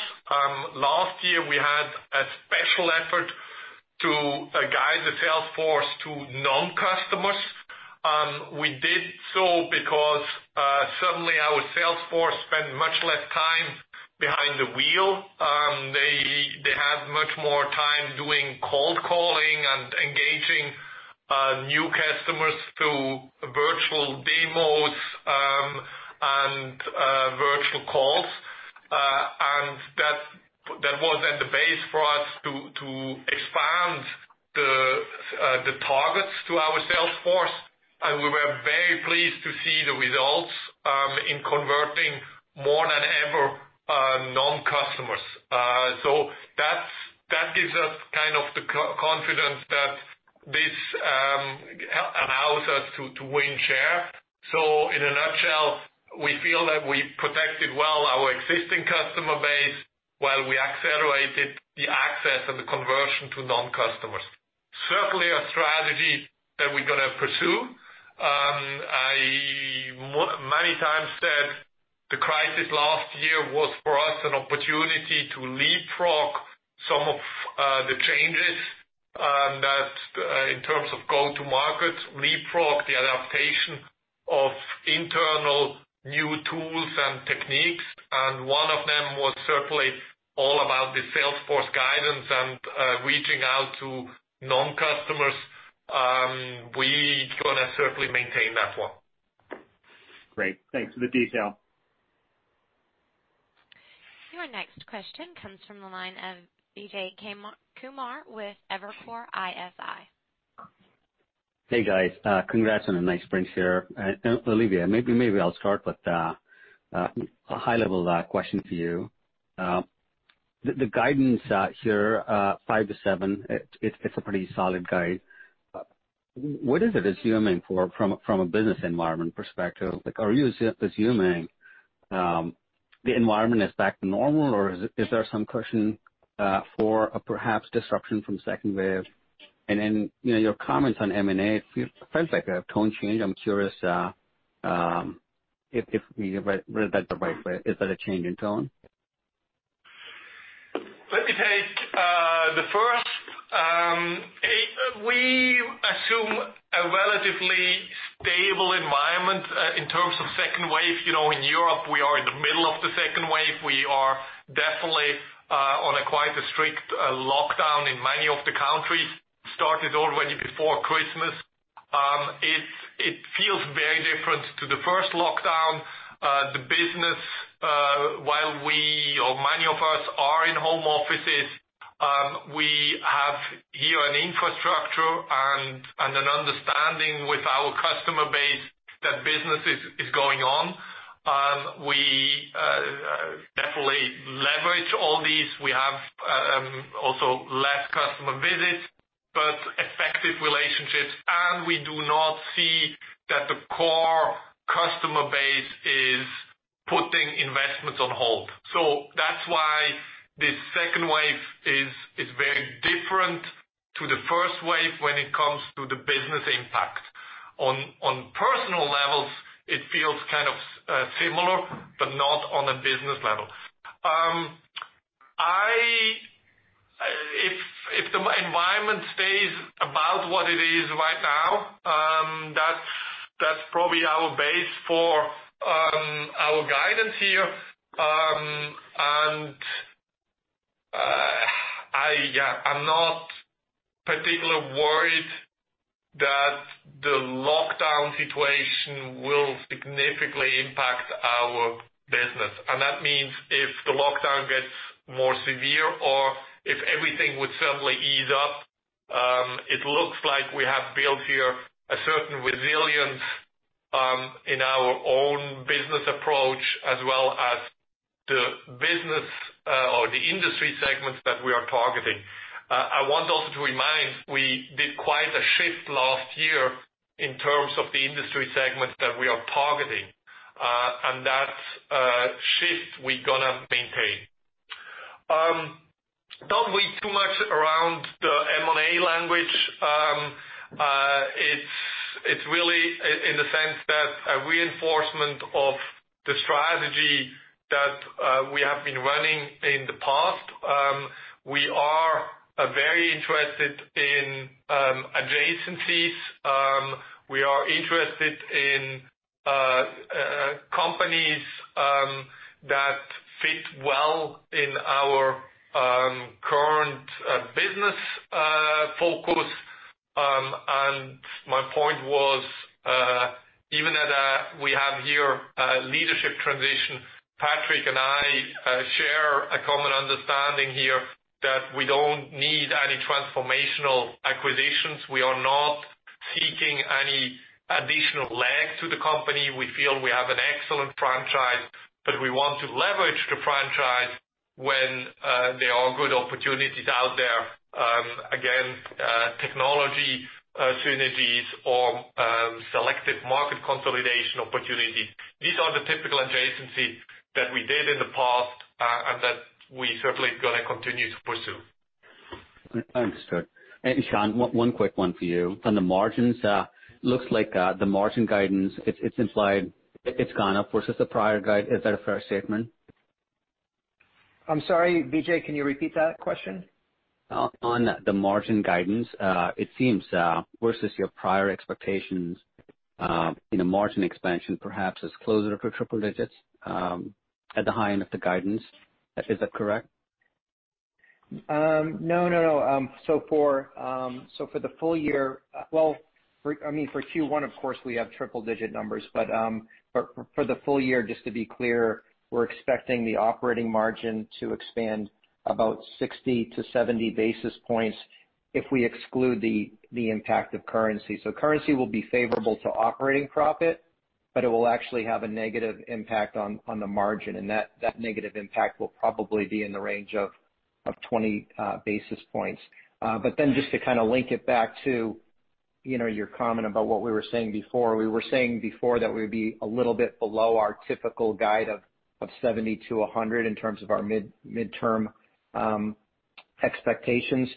Last year, we had a special effort to guide the sales force to non-customers. We did so because suddenly our sales force spent much less time behind the wheel. They have much more time doing cold calling and engaging new customers through virtual demos and virtual calls, and that was then the base for us to expand the targets to our sales force, and we were very pleased to see the results in converting more than ever non-customers. That gives us kind of the confidence that this allows us to win share. In a nutshell, we feel that we protected well our existing customer base while we accelerated the access and the conversion to non-customers. Certainly a strategy that we're going to pursue. I many times said the crisis last year was for us an opportunity to leapfrog some of the changes in terms of go-to-market, leapfrog the adaptation of internal new tools and techniques, and one of them was certainly all about the sales force guidance and reaching out to non-customers. We're going to certainly maintain that one. Great. Thanks for the detail. Your next question comes from the line of Vijay Kumar with Evercore ISI. Hey, guys. Congrats on a nice spring share. Olivier, maybe I'll start with a high-level question for you. The guidance here, five to seven, it's a pretty solid guide. What is it assuming from a business environment perspective? Are you assuming the environment is back to normal, or is there some cushion for perhaps disruption from second wave? Your comments on M&A, it felt like a tone change. I'm curious if we read that the right way. Is that a change in tone? Let me take the first. We assume a relatively stable environment in terms of second wave. In Europe, we are in the middle of the second wave. We are definitely on a quite strict lockdown in many of the countries. It started already before Christmas. It feels very different to the first lockdown. The business, while we or many of us are in home offices, we have here an infrastructure and an understanding with our customer base that business is going on. We definitely leverage all these. We have also less customer visits, but effective relationships, and we do not see that the core customer base is putting investments on hold. That is why this second wave is very different to the first wave when it comes to the business impact. On personal levels, it feels kind of similar, but not on a business level. If the environment stays about what it is right now, that's probably our base for our guidance here, and yeah, I'm not particularly worried that the lockdown situation will significantly impact our business. That means if the lockdown gets more severe or if everything would suddenly ease up, it looks like we have built here a certain resilience in our own business approach as well as the business or the industry segments that we are targeting. I want also to remind we did quite a shift last year in terms of the industry segments that we are targeting, and that shift we're going to maintain. Don't wait too much around the M&A language. It's really in the sense that a reinforcement of the strategy that we have been running in the past. We are very interested in adjacencies. We are interested in companies that fit well in our current business focus, and my point was even that we have here a leadership transition. Patrick and I share a common understanding here that we do not need any transformational acquisitions. We are not seeking any additional legs to the company. We feel we have an excellent franchise, but we want to leverage the franchise when there are good opportunities out there. Again, technology synergies or selective market consolidation opportunities. These are the typical adjacencies that we did in the past and that we certainly are going to continue to pursue. Thanks, Olivier. Hey, Shawn, one quick one for you. On the margins, it looks like the margin guidance, it's implied it's gone up versus the prior guide. Is that a fair statement? I'm sorry, Vijay, can you repeat that question? On the margin guidance, it seems versus your prior expectations, margin expansion perhaps is closer to triple digits at the high end of the guidance. Is that correct? No, no, no. For the full year, I mean, for Q1, of course, we have triple digit numbers, but for the full year, just to be clear, we're expecting the operating margin to expand about 60-70 basis points if we exclude the impact of currency. Currency will be favorable to operating profit, but it will actually have a negative impact on the margin, and that negative impact will probably be in the range of 20 basis points. Just to kind of link it back to your comment about what we were saying before, we were saying before that we would be a little bit below our typical guide of 70-100 in terms of our midterm expectations.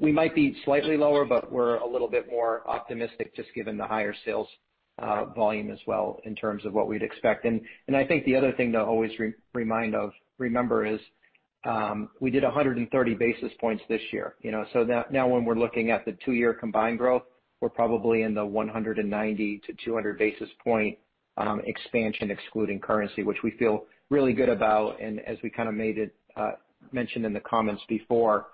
We might be slightly lower, but we're a little bit more optimistic just given the higher sales volume as well in terms of what we'd expect. I think the other thing to always remember is we did 130 basis points this year. Now when we're looking at the two-year combined growth, we're probably in the 190-200 basis point expansion excluding currency, which we feel really good about. As we kind of mentioned in the comments before,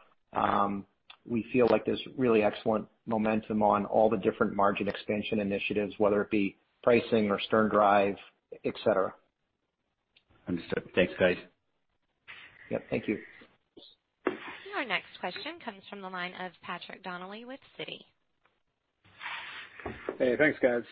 we feel like there's really excellent momentum on all the different margin expansion initiatives, whether it be pricing or SternDrive, et cetera. Understood. Thanks, guys. Yep. Thank you. Your next question comes from the line of Patrick Donnelly with Citi. Hey, thanks, guys.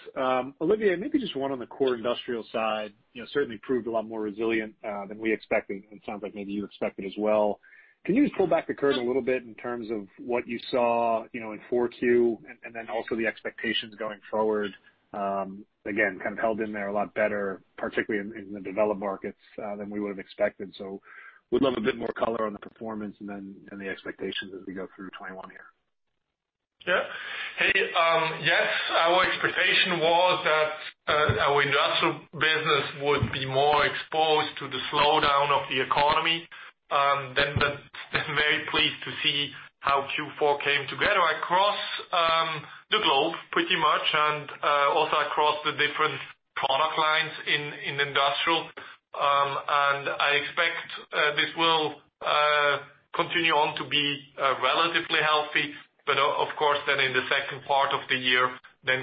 Olivier, maybe just one on the core industrial side. Certainly proved a lot more resilient than we expected, and it sounds like maybe you expected as well. Can you just pull back the curtain a little bit in terms of what you saw in Q4 and then also the expectations going forward? Again, kind of held in there a lot better, particularly in the developed markets than we would have expected. Would love a bit more color on the performance and then the expectations as we go through 2021 here. Yeah. Hey, yes, our expectation was that our industrial business would be more exposed to the slowdown of the economy. We are very pleased to see how Q4 came together across the globe pretty much and also across the different product lines in industrial. I expect this will continue on to be relatively healthy, but of course, in the second part of the year,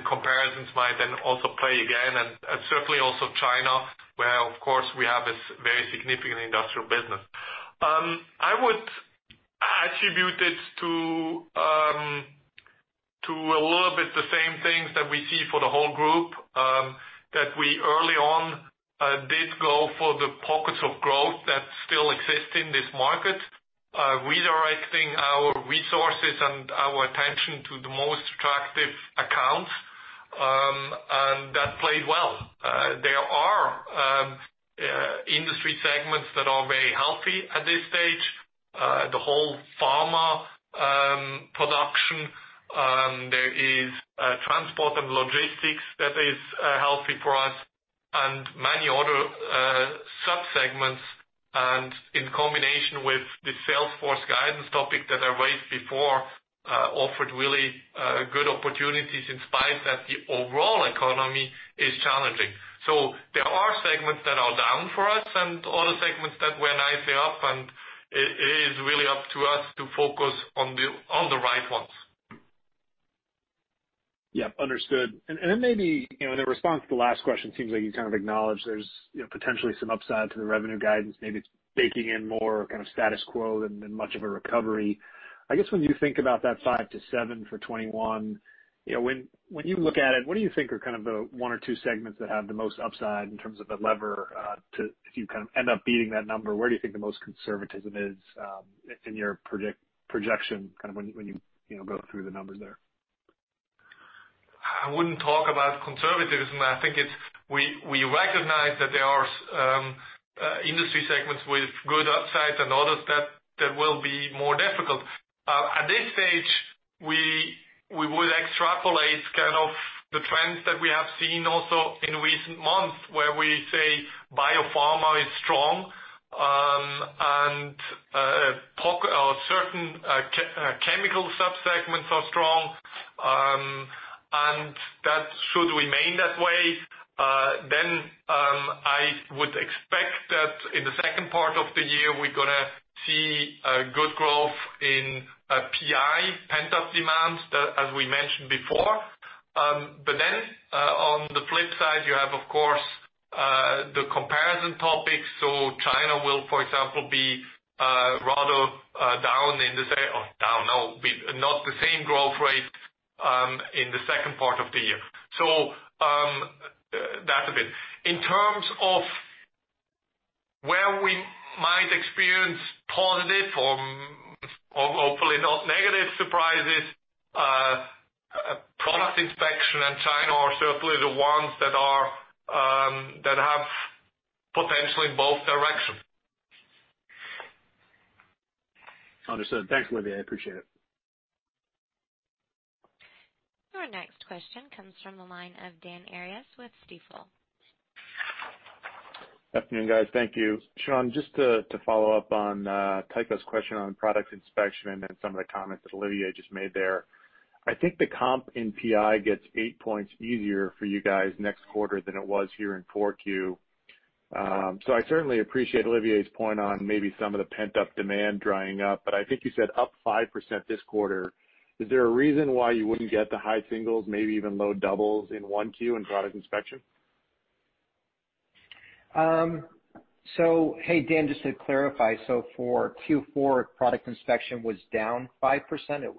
comparisons might also play again, and certainly also China where, of course, we have this very significant industrial business. I would attribute it to a little bit the same things that we see for the whole group, that we early on did go for the pockets of growth that still exist in this market, redirecting our resources and our attention to the most attractive accounts, and that played well. There are industry segments that are very healthy at this stage. The whole pharma production, there is transport and logistics that is healthy for us, and many other subsegments. In combination with the sales force guidance topic that I raised before, offered really good opportunities in spite that the overall economy is challenging. There are segments that are down for us and other segments that were nicely up, and it is really up to us to focus on the right ones. Yep. Understood. Maybe in response to the last question, it seems like you kind of acknowledged there's potentially some upside to the revenue guidance, maybe it's baking in more kind of status quo than much of a recovery. I guess when you think about that five to seven for 2021, when you look at it, what do you think are kind of the one or two segments that have the most upside in terms of the lever to if you kind of end up beating that number? Where do you think the most conservatism is in your projection, kind of when you go through the numbers there? I wouldn't talk about conservatism. I think we recognize that there are industry segments with good upsides and others that will be more difficult. At this stage, we would extrapolate kind of the trends that we have seen also in recent months where we say biopharma is strong and certain chemical subsegments are strong, and that should remain that way. I would expect that in the second part of the year, we're going to see good growth in PI, pent-up demand, as we mentioned before. On the flip side, you have, of course, the comparison topics. China will, for example, be rather down in the—down, no, not the same growth rate in the second part of the year. That's a bit. In terms of where we might experience positive or hopefully not negative surprises, Product Inspection and China are certainly the ones that have potential in both directions. Understood. Thanks, Olivier. I appreciate it. Your next question comes from the line of Dan Arias with Stifel. Good afternoon, guys. Thank you. Shawn, just to follow up on Tycho's question on Product Inspection and then some of the comments that Olivier just made there, I think the comp in PI gets eight points easier for you guys next quarter than it was here in Q4. I certainly appreciate Olivier's point on maybe some of the pent-up demand drying up, but I think you said up 5% this quarter. Is there a reason why you would not get the high singles, maybe even low doubles in Q1 in Product Inspection? Hey, Dan, just to clarify, for Q4, Product Inspection was down 5%.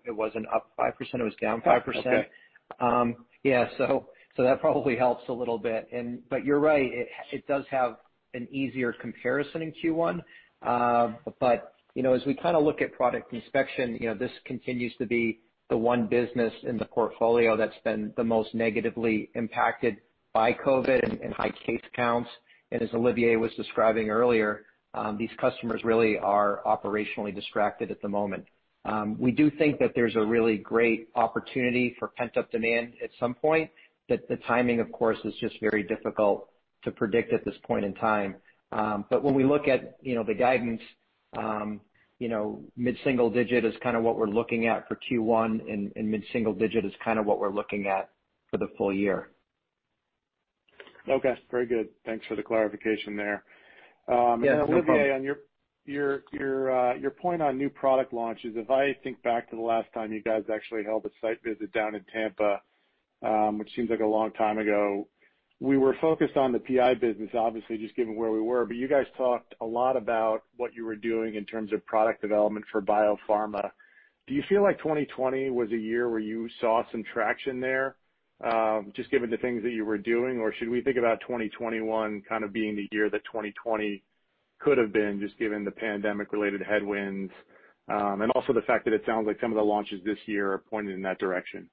It was not up 5%. It was down 5%. Okay. Yeah. That probably helps a little bit. You're right. It does have an easier comparison in Q1. As we kind of look at Product Inspection, this continues to be the one business in the portfolio that's been the most negatively impacted by COVID and high case counts. As Olivier was describing earlier, these customers really are operationally distracted at the moment. We do think that there's a really great opportunity for pent-up demand at some point, but the timing, of course, is just very difficult to predict at this point in time. When we look at the guidance, mid-single digit is kind of what we're looking at for Q1, and mid-single digit is kind of what we're looking at for the full year. Okay. Very good. Thanks for the clarification there. Yeah. Thank you. Olivier, on your point on new product launches, if I think back to the last time you guys actually held a site visit down in Tampa, which seems like a long time ago, we were focused on the PI business, obviously, just given where we were, but you guys talked a lot about what you were doing in terms of product development for biopharma. Do you feel like 2020 was a year where you saw some traction there, just given the things that you were doing? Should we think about 2021 kind of being the year that 2020 could have been, just given the pandemic-related headwinds? Also, the fact that it sounds like some of the launches this year are pointed in that direction.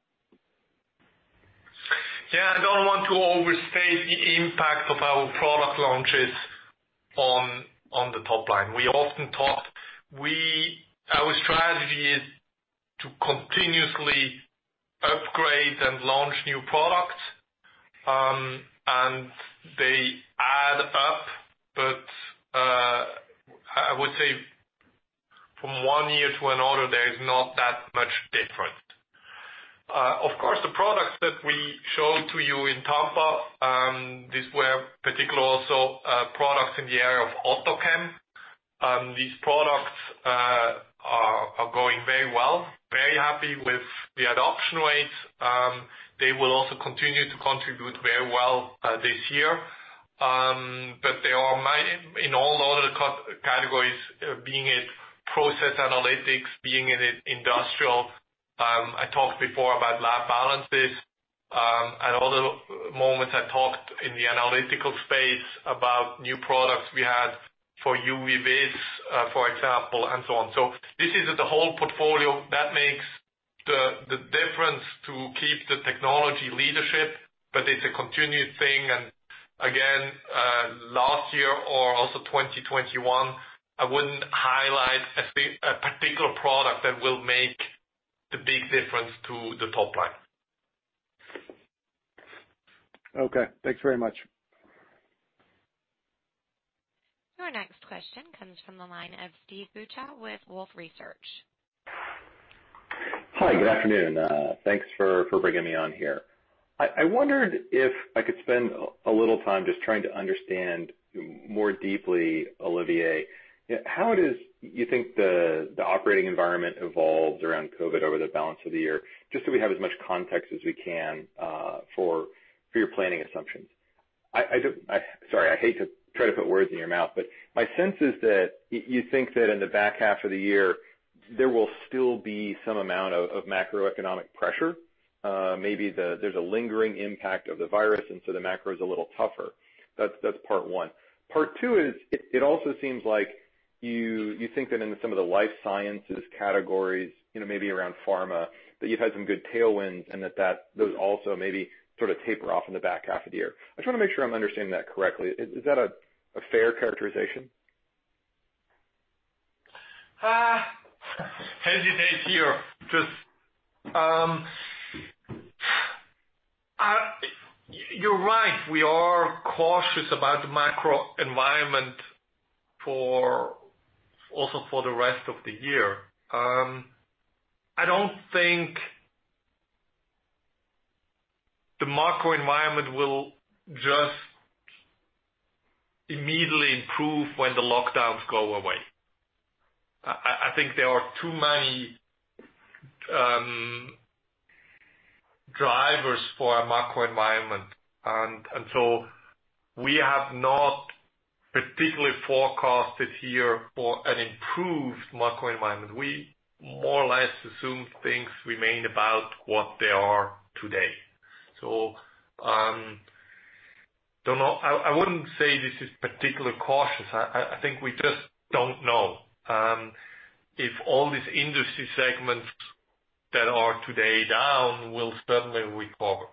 Yeah. I don't want to overstate the impact of our product launches on the top line. We often talked—our strategy is to continuously upgrade and launch new products, and they add up, but I would say from one year to another, there's not that much difference. Of course, the products that we showed to you in Tampa, these were particularly also products in the area of AutoChem. These products are going very well. Very happy with the adoption rates. They will also continue to contribute very well this year. They are in all other categories, being it process analytics, being it industrial. I talked before about lab balances. At other moments, I talked in the analytical space about new products we had for UV/Vis, for example, and so on. This is the whole portfolio that makes the difference to keep the technology leadership, but it's a continued thing. Last year or also 2021, I wouldn't highlight a particular product that will make the big difference to the top line. Okay. Thanks very much. Your next question comes from the line of Steve Beuchaw with Wolfe Research. Hi. Good afternoon. Thanks for bringing me on here. I wondered if I could spend a little time just trying to understand more deeply, Olivier, how do you think the operating environment evolved around COVID over the balance of the year, just so we have as much context as we can for your planning assumptions? Sorry, I hate to try to put words in your mouth, but my sense is that you think that in the back half of the year, there will still be some amount of macroeconomic pressure. Maybe there's a lingering impact of the virus, and so the macro is a little tougher. That's part one. Part two is it also seems like you think that in some of the life sciences categories, maybe around pharma, that you've had some good tailwinds and that those also maybe sort of taper off in the back half of the year. I just want to make sure I'm understanding that correctly. Is that a fair characterization? Hesitate here. You're right. We are cautious about the macro environment also for the rest of the year. I don't think the macro environment will just immediately improve when the lockdowns go away. I think there are too many drivers for a macro environment, and we have not particularly forecasted here for an improved macro environment. We more or less assume things remain about what they are today. I wouldn't say this is particularly cautious. I think we just don't know if all these industry segments that are today down will suddenly recover.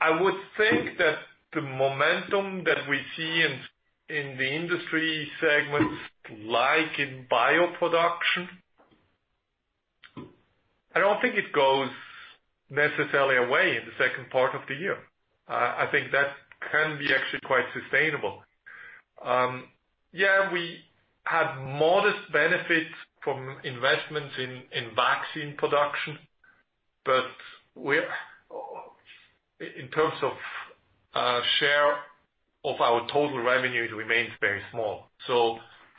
I would think that the momentum that we see in the industry segments, like in bioproduction, I don't think it goes necessarily away in the second part of the year. I think that can be actually quite sustainable. Yeah. We had modest benefits from investments in vaccine production, but in terms of share of our total revenue, it remains very small.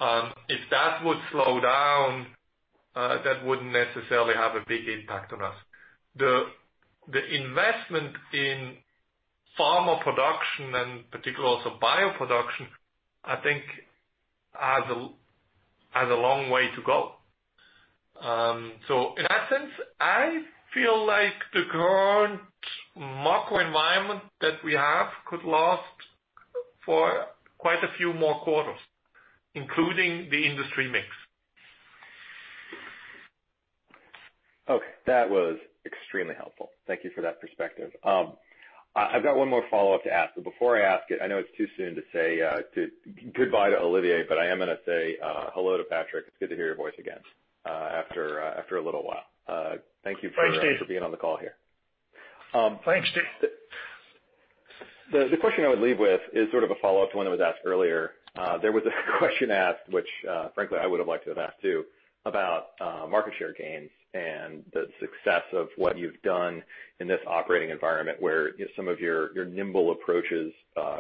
If that would slow down, that would not necessarily have a big impact on us. The investment in pharma production and particularly also bioproduction, I think, has a long way to go. In that sense, I feel like the current macro environment that we have could last for quite a few more quarters, including the industry mix. Okay. That was extremely helpful. Thank you for that perspective. I've got one more follow-up to ask, but before I ask it, I know it's too soon to say goodbye to Olivier, but I am going to say hello to Patrick. It's good to hear your voice again after a little while. Thank you for being on the call here. Thanks, Steve. The question I would leave with is sort of a follow-up to one that was asked earlier. There was a question asked, which frankly, I would have liked to have asked too, about market share gains and the success of what you've done in this operating environment where some of your nimble approaches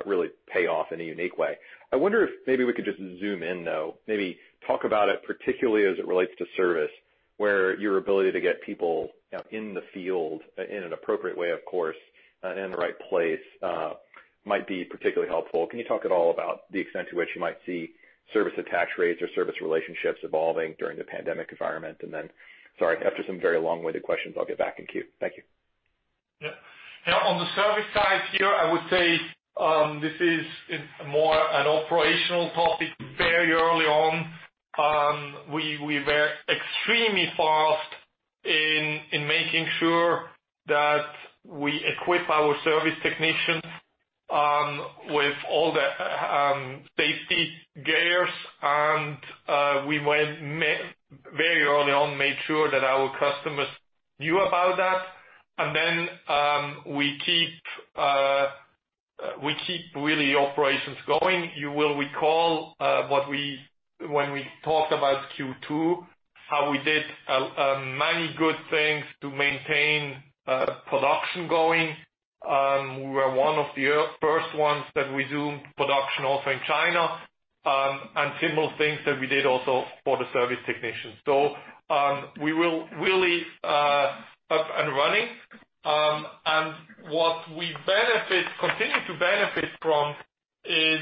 really pay off in a unique way. I wonder if maybe we could just zoom in, though, maybe talk about it particularly as it relates to service, where your ability to get people in the field in an appropriate way, of course, and in the right place might be particularly helpful. Can you talk at all about the extent to which you might see service-attached rates or service relationships evolving during the pandemic environment? Sorry, after some very long-winded questions, I'll get back in queue. Thank you. Yeah. On the service side here, I would say this is more an operational topic. Very early on, we were extremely fast in making sure that we equip our service technicians with all the safety gears. We very early on made sure that our customers knew about that. We keep really operations going. You will recall when we talked about Q2, how we did many good things to maintain production going. We were one of the first ones that resumed production also in China and similar things that we did also for the service technicians. We were really up and running. What we continue to benefit from is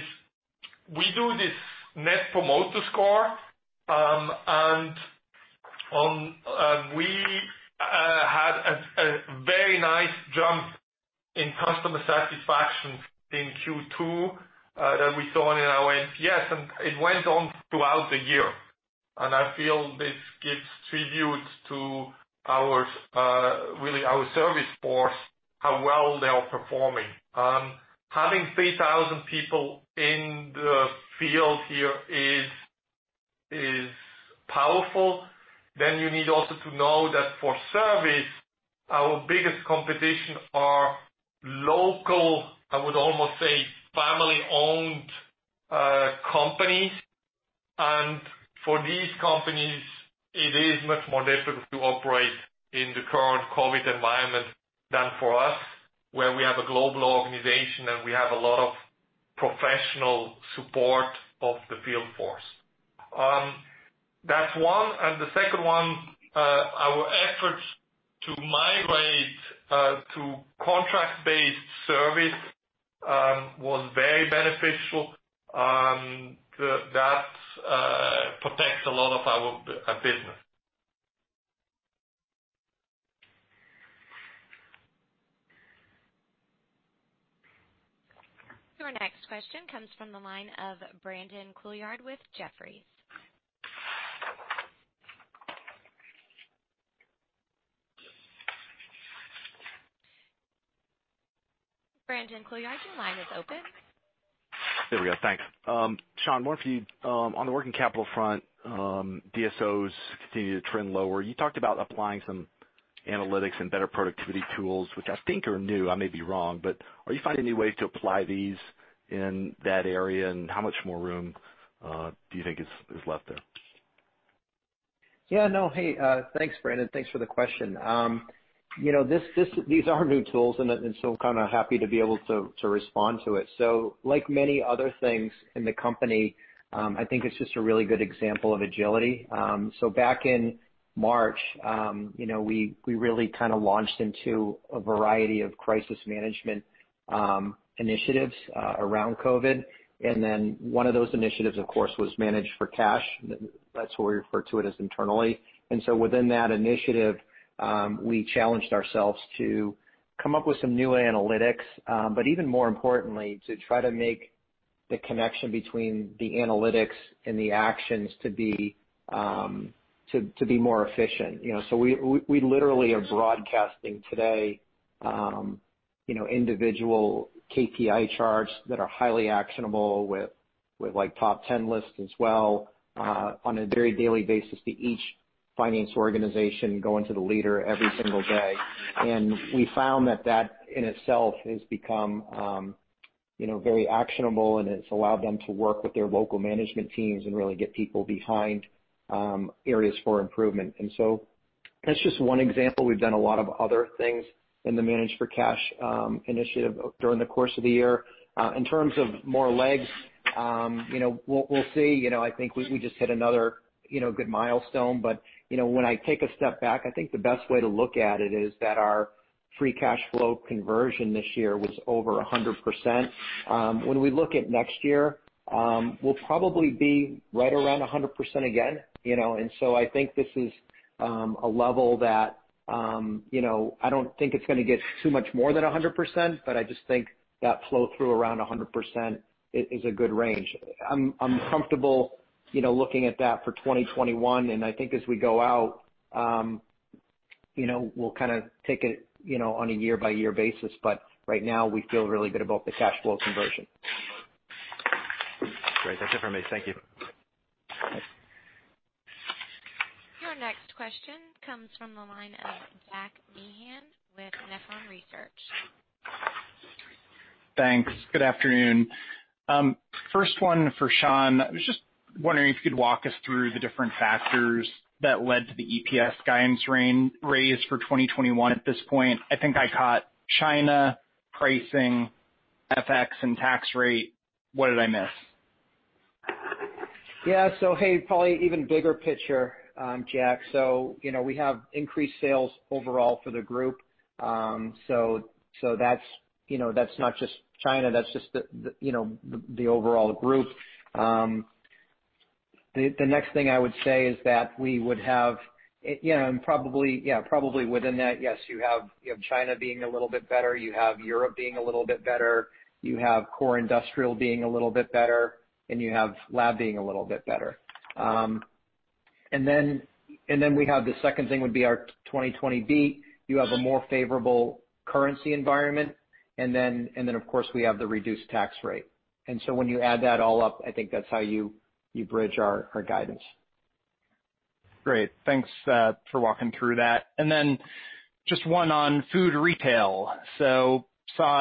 we do this net promoter score, and we had a very nice jump in customer satisfaction in Q2 that we saw in our NPS. It went on throughout the year. I feel this gives tribute to really our service force, how well they are performing. Having 3,000 people in the field here is powerful. You also need to know that for service, our biggest competition are local, I would almost say, family-owned companies. For these companies, it is much more difficult to operate in the current COVID environment than for us, where we have a global organization and we have a lot of professional support of the field force. That is one. The second one, our efforts to migrate to contract-based service was very beneficial. That protects a lot of our business. Your next question comes from the line of Brandon Couillard with Jefferies. Brandon Couillard, your line is open. Here we go. Thanks. Shawn, on the working capital front, DSOs continue to trend lower. You talked about applying some analytics and better productivity tools, which I think are new. I may be wrong, but are you finding new ways to apply these in that area, and how much more room do you think is left there? Yeah. No. Hey, thanks, Brandon. Thanks for the question. These are new tools, and so I'm kind of happy to be able to respond to it. Like many other things in the company, I think it's just a really good example of agility. Back in March, we really kind of launched into a variety of crisis management initiatives around COVID. One of those initiatives, of course, was managed for cash. That's what we refer to it as internally. Within that initiative, we challenged ourselves to come up with some new analytics, but even more importantly, to try to make the connection between the analytics and the actions to be more efficient. We literally are broadcasting today individual KPI charts that are highly actionable with top 10 lists as well on a very daily basis to each finance organization going to the leader every single day. We found that that in itself has become very actionable, and it's allowed them to work with their local management teams and really get people behind areas for improvement. That's just one example. We've done a lot of other things in the managed for cash initiative during the course of the year. In terms of more legs, we'll see. I think we just hit another good milestone. When I take a step back, I think the best way to look at it is that our free cash flow conversion this year was over 100%. When we look at next year, we'll probably be right around 100% again. I think this is a level that I don't think is going to get too much more than 100%, but I just think that flow through around 100% is a good range. I'm comfortable looking at that for 2021. I think as we go out, we'll kind of take it on a year-by-year basis. Right now, we feel really good about the cash flow conversion. Great. That's it for me. Thank you. Your next question comes from the line of Jack Meehan with Nephron Research. Thanks. Good afternoon. First one for Shawn, I was just wondering if you could walk us through the different factors that led to the EPS guidance raise for 2021. At this point, I think I caught China, pricing, FX, and tax rate. What did I miss? Yeah. Hey, probably even bigger picture, Jack. We have increased sales overall for the group. That is not just China. That is just the overall group. The next thing I would say is that we would have and probably within that, yes, you have China being a little bit better. You have Europe being a little bit better. You have core industrial being a little bit better, and you have lab being a little bit better. We have the second thing would be our 2020B. You have a more favorable currency environment. Of course, we have the reduced tax rate. When you add that all up, I think that is how you bridge our guidance. Great. Thanks for walking through that. Just one on food retail. Saw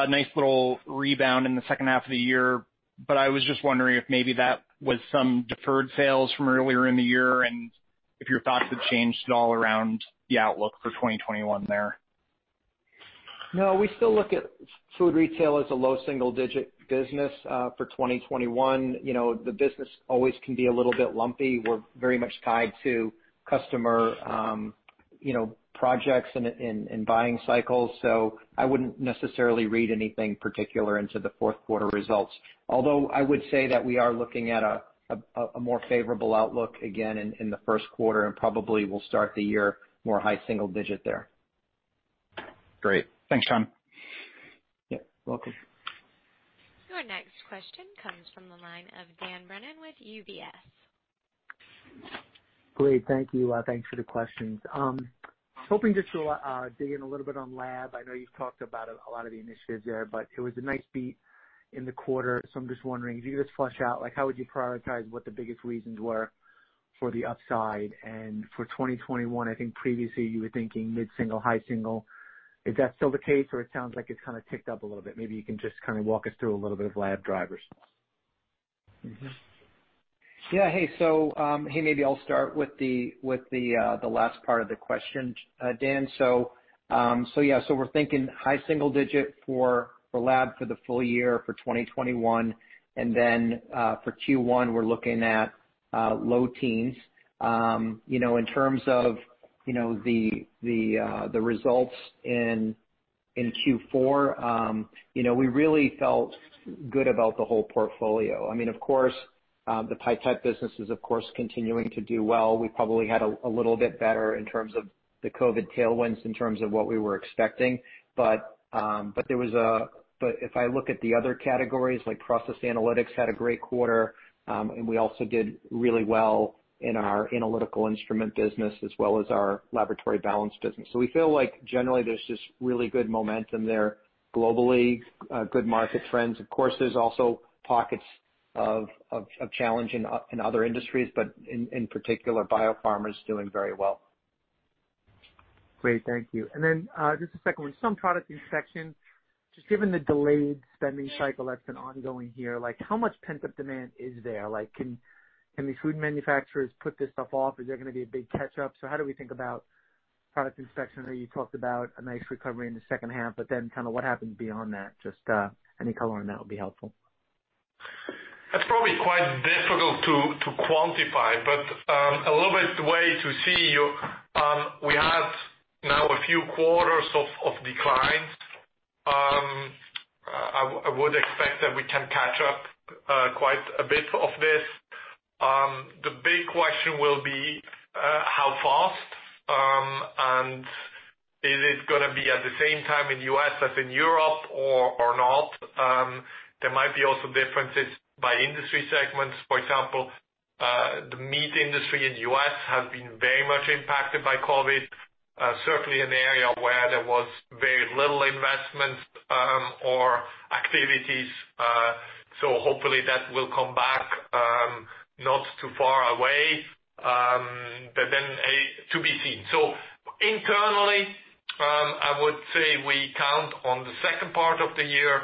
a nice little rebound in the second half of the year, but I was just wondering if maybe that was some deferred sales from earlier in the year and if your thoughts have changed at all around the outlook for 2021 there. No. We still look at food retail as a low single-digit business for 2021. The business always can be a little bit lumpy. We are very much tied to customer projects and buying cycles. I would not necessarily read anything particular into the fourth quarter results. Although I would say that we are looking at a more favorable outlook again in the first quarter and probably will start the year more high single-digit there. Great. Thanks, Shawn. Yeah. Welcome. Your next question comes from the line of Dan Brennan with UBS. Great. Thank you. Thanks for the questions. Hoping just to dig in a little bit on lab. I know you've talked about a lot of the initiatives there, but it was a nice beat in the quarter. I'm just wondering, if you could just flesh out, how would you prioritize what the biggest reasons were for the upside? For 2021, I think previously you were thinking mid-single, high single. Is that still the case, or it sounds like it's kind of ticked up a little bit? Maybe you can just kind of walk us through a little bit of lab drivers. Yeah. Hey, so hey, maybe I'll start with the last part of the question, Dan. Yeah, so we're thinking high single-digit for lab for the full year for 2021. For Q1, we're looking at low teens. In terms of the results in Q4, we really felt good about the whole portfolio. I mean, of course, the pipette business is, of course, continuing to do well. We probably had a little bit better in terms of the COVID tailwinds in terms of what we were expecting. If I look at the other categories, like process analytics had a great quarter, and we also did really well in our analytical instrument business as well as our laboratory balance business. We feel like generally there's just really good momentum there globally, good market trends. Of course, there's also pockets of challenge in other industries, but in particular, biopharm is doing very well. Great. Thank you. Just a second one. Some Product Inspection, just given the delayed spending cycle that's been ongoing here, how much pent-up demand is there? Can these food manufacturers put this stuff off? Is there going to be a big catch-up? How do we think about Product Inspection? I know you talked about a nice recovery in the second half, but then kind of what happens beyond that? Just any color on that would be helpful. That's probably quite difficult to quantify, but a little bit the way to see you, we had now a few quarters of declines. I would expect that we can catch up quite a bit of this. The big question will be how fast, and is it going to be at the same time in the U.S. as in Europe or not? There might be also differences by industry segments. For example, the meat industry in the U.S. has been very much impacted by COVID, certainly an area where there was very little investment or activities. Hopefully that will come back not too far away, but then to be seen. Internally, I would say we count on the second part of the year.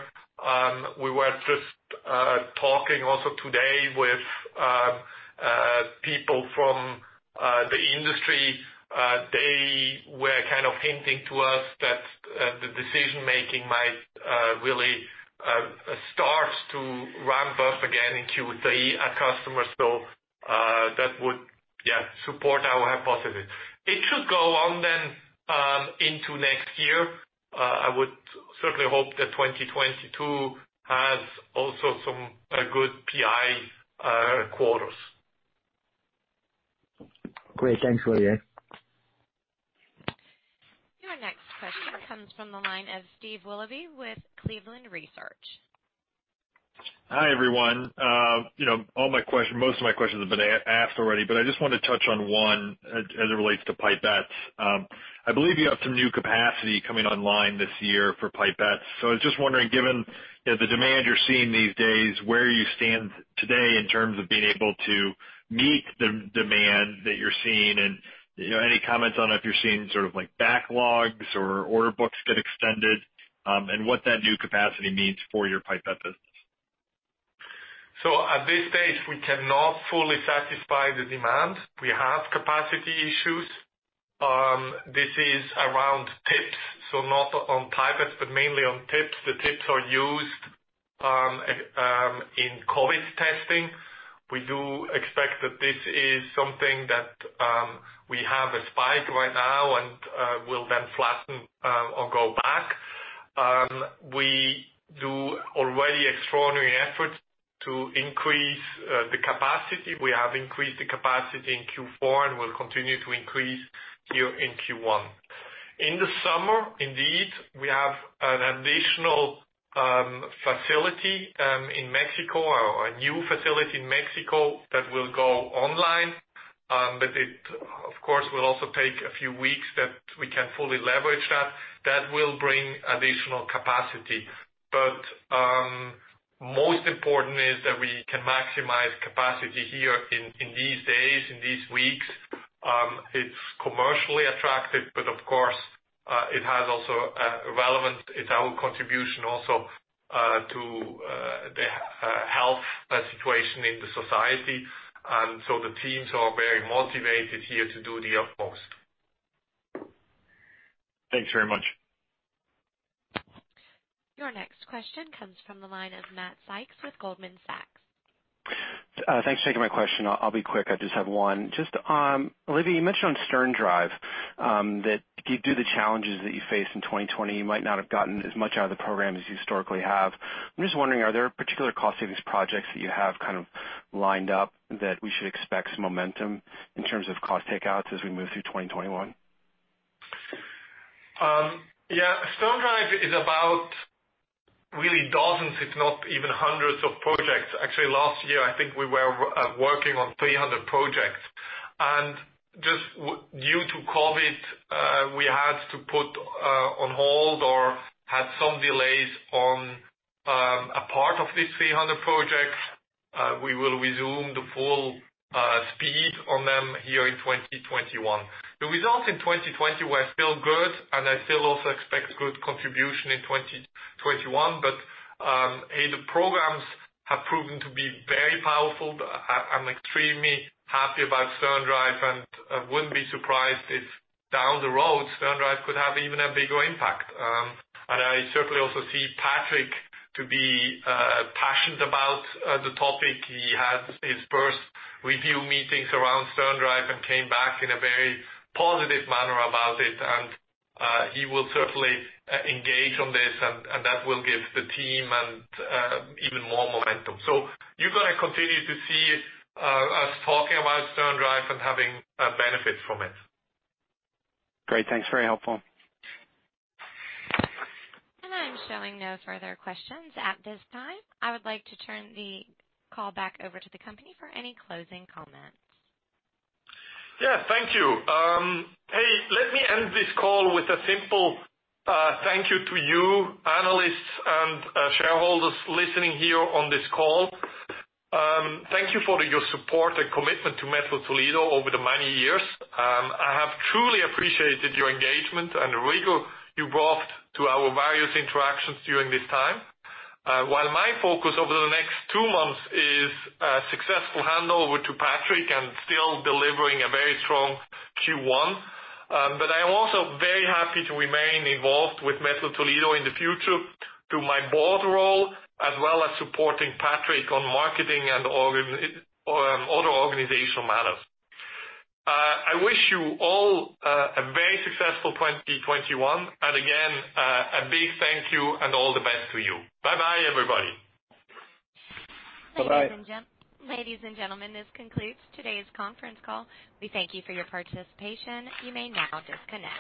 We were just talking also today with people from the industry. They were kind of hinting to us that the decision-making might really start to ramp up again in Q3 at customers. That would, yeah, support our hypothesis. It should go on then into next year. I would certainly hope that 2022 has also some good PI quarters. Great. Thanks, Olivier. Your next question comes from the line of Steve Willoughby with Cleveland Research. Hi everyone. Most of my questions have been asked already, but I just want to touch on one as it relates to pipettes. I believe you have some new capacity coming online this year for pipettes. I was just wondering, given the demand you're seeing these days, where you stand today in terms of being able to meet the demand that you're seeing and any comments on if you're seeing sort of backlogs or order books get extended and what that new capacity means for your pipette business? At this stage, we cannot fully satisfy the demand. We have capacity issues. This is around tips, not on pipettes, but mainly on tips. The tips are used in COVID testing. We do expect that this is something that we have a spike right now and will then flatten or go back. We do already extraordinary efforts to increase the capacity. We have increased the capacity in Q4 and will continue to increase here in Q1. In the summer, indeed, we have an additional facility in Mexico or a new facility in Mexico that will go online. It, of course, will also take a few weeks that we can fully leverage that. That will bring additional capacity. Most important is that we can maximize capacity here in these days, in these weeks. It's commercially attractive, but of course, it has also a relevant contribution also to the health situation in the society. The teams are very motivated here to do the most. Thanks very much. Your next question comes from the line of Matt Sykes with Goldman Sachs. Thanks for taking my question. I'll be quick. I just have one. Just Olivier, you mentioned on SternDrive that if you do the challenges that you face in 2020, you might not have gotten as much out of the program as you historically have. I'm just wondering, are there particular cost-savings projects that you have kind of lined up that we should expect some momentum in terms of cost takeouts as we move through 2021? Yeah. SternDrive is about really dozens, if not even hundreds of projects. Actually, last year, I think we were working on 300 projects. And just due to COVID, we had to put on hold or had some delays on a part of these 300 projects. We will resume the full speed on them here in 2021. The results in 2020 were still good, and I still also expect good contribution in 2021. Hey, the programs have proven to be very powerful. I'm extremely happy about SternDrive and wouldn't be surprised if down the road, SternDrive could have even a bigger impact. I certainly also see Patrick to be passionate about the topic. He had his first review meetings around SternDrive and came back in a very positive manner about it. He will certainly engage on this, and that will give the team even more momentum. You are going to continue to see us talking about SternDrive and having benefits from it. Great. Thanks. Very helpful. I am showing no further questions at this time. I would like to turn the call back over to the company for any closing comments. Yeah. Thank you. Hey, let me end this call with a simple thank you to you, analysts and shareholders listening here on this call. Thank you for your support and commitment to Mettler-Toledo over the many years. I have truly appreciated your engagement and the rigor you brought to our various interactions during this time. While my focus over the next two months is a successful handover to Patrick and still delivering a very strong Q1, I am also very happy to remain involved with Mettler-Toledo in the future through my Board role as well as supporting Patrick on marketing and other organizational matters. I wish you all a very successful 2021. Again, a big thank you and all the best to you. Bye-bye, everybody. Bye-bye. Ladies and gentlemen, this concludes today's conference call. We thank you for your participation. You may now disconnect.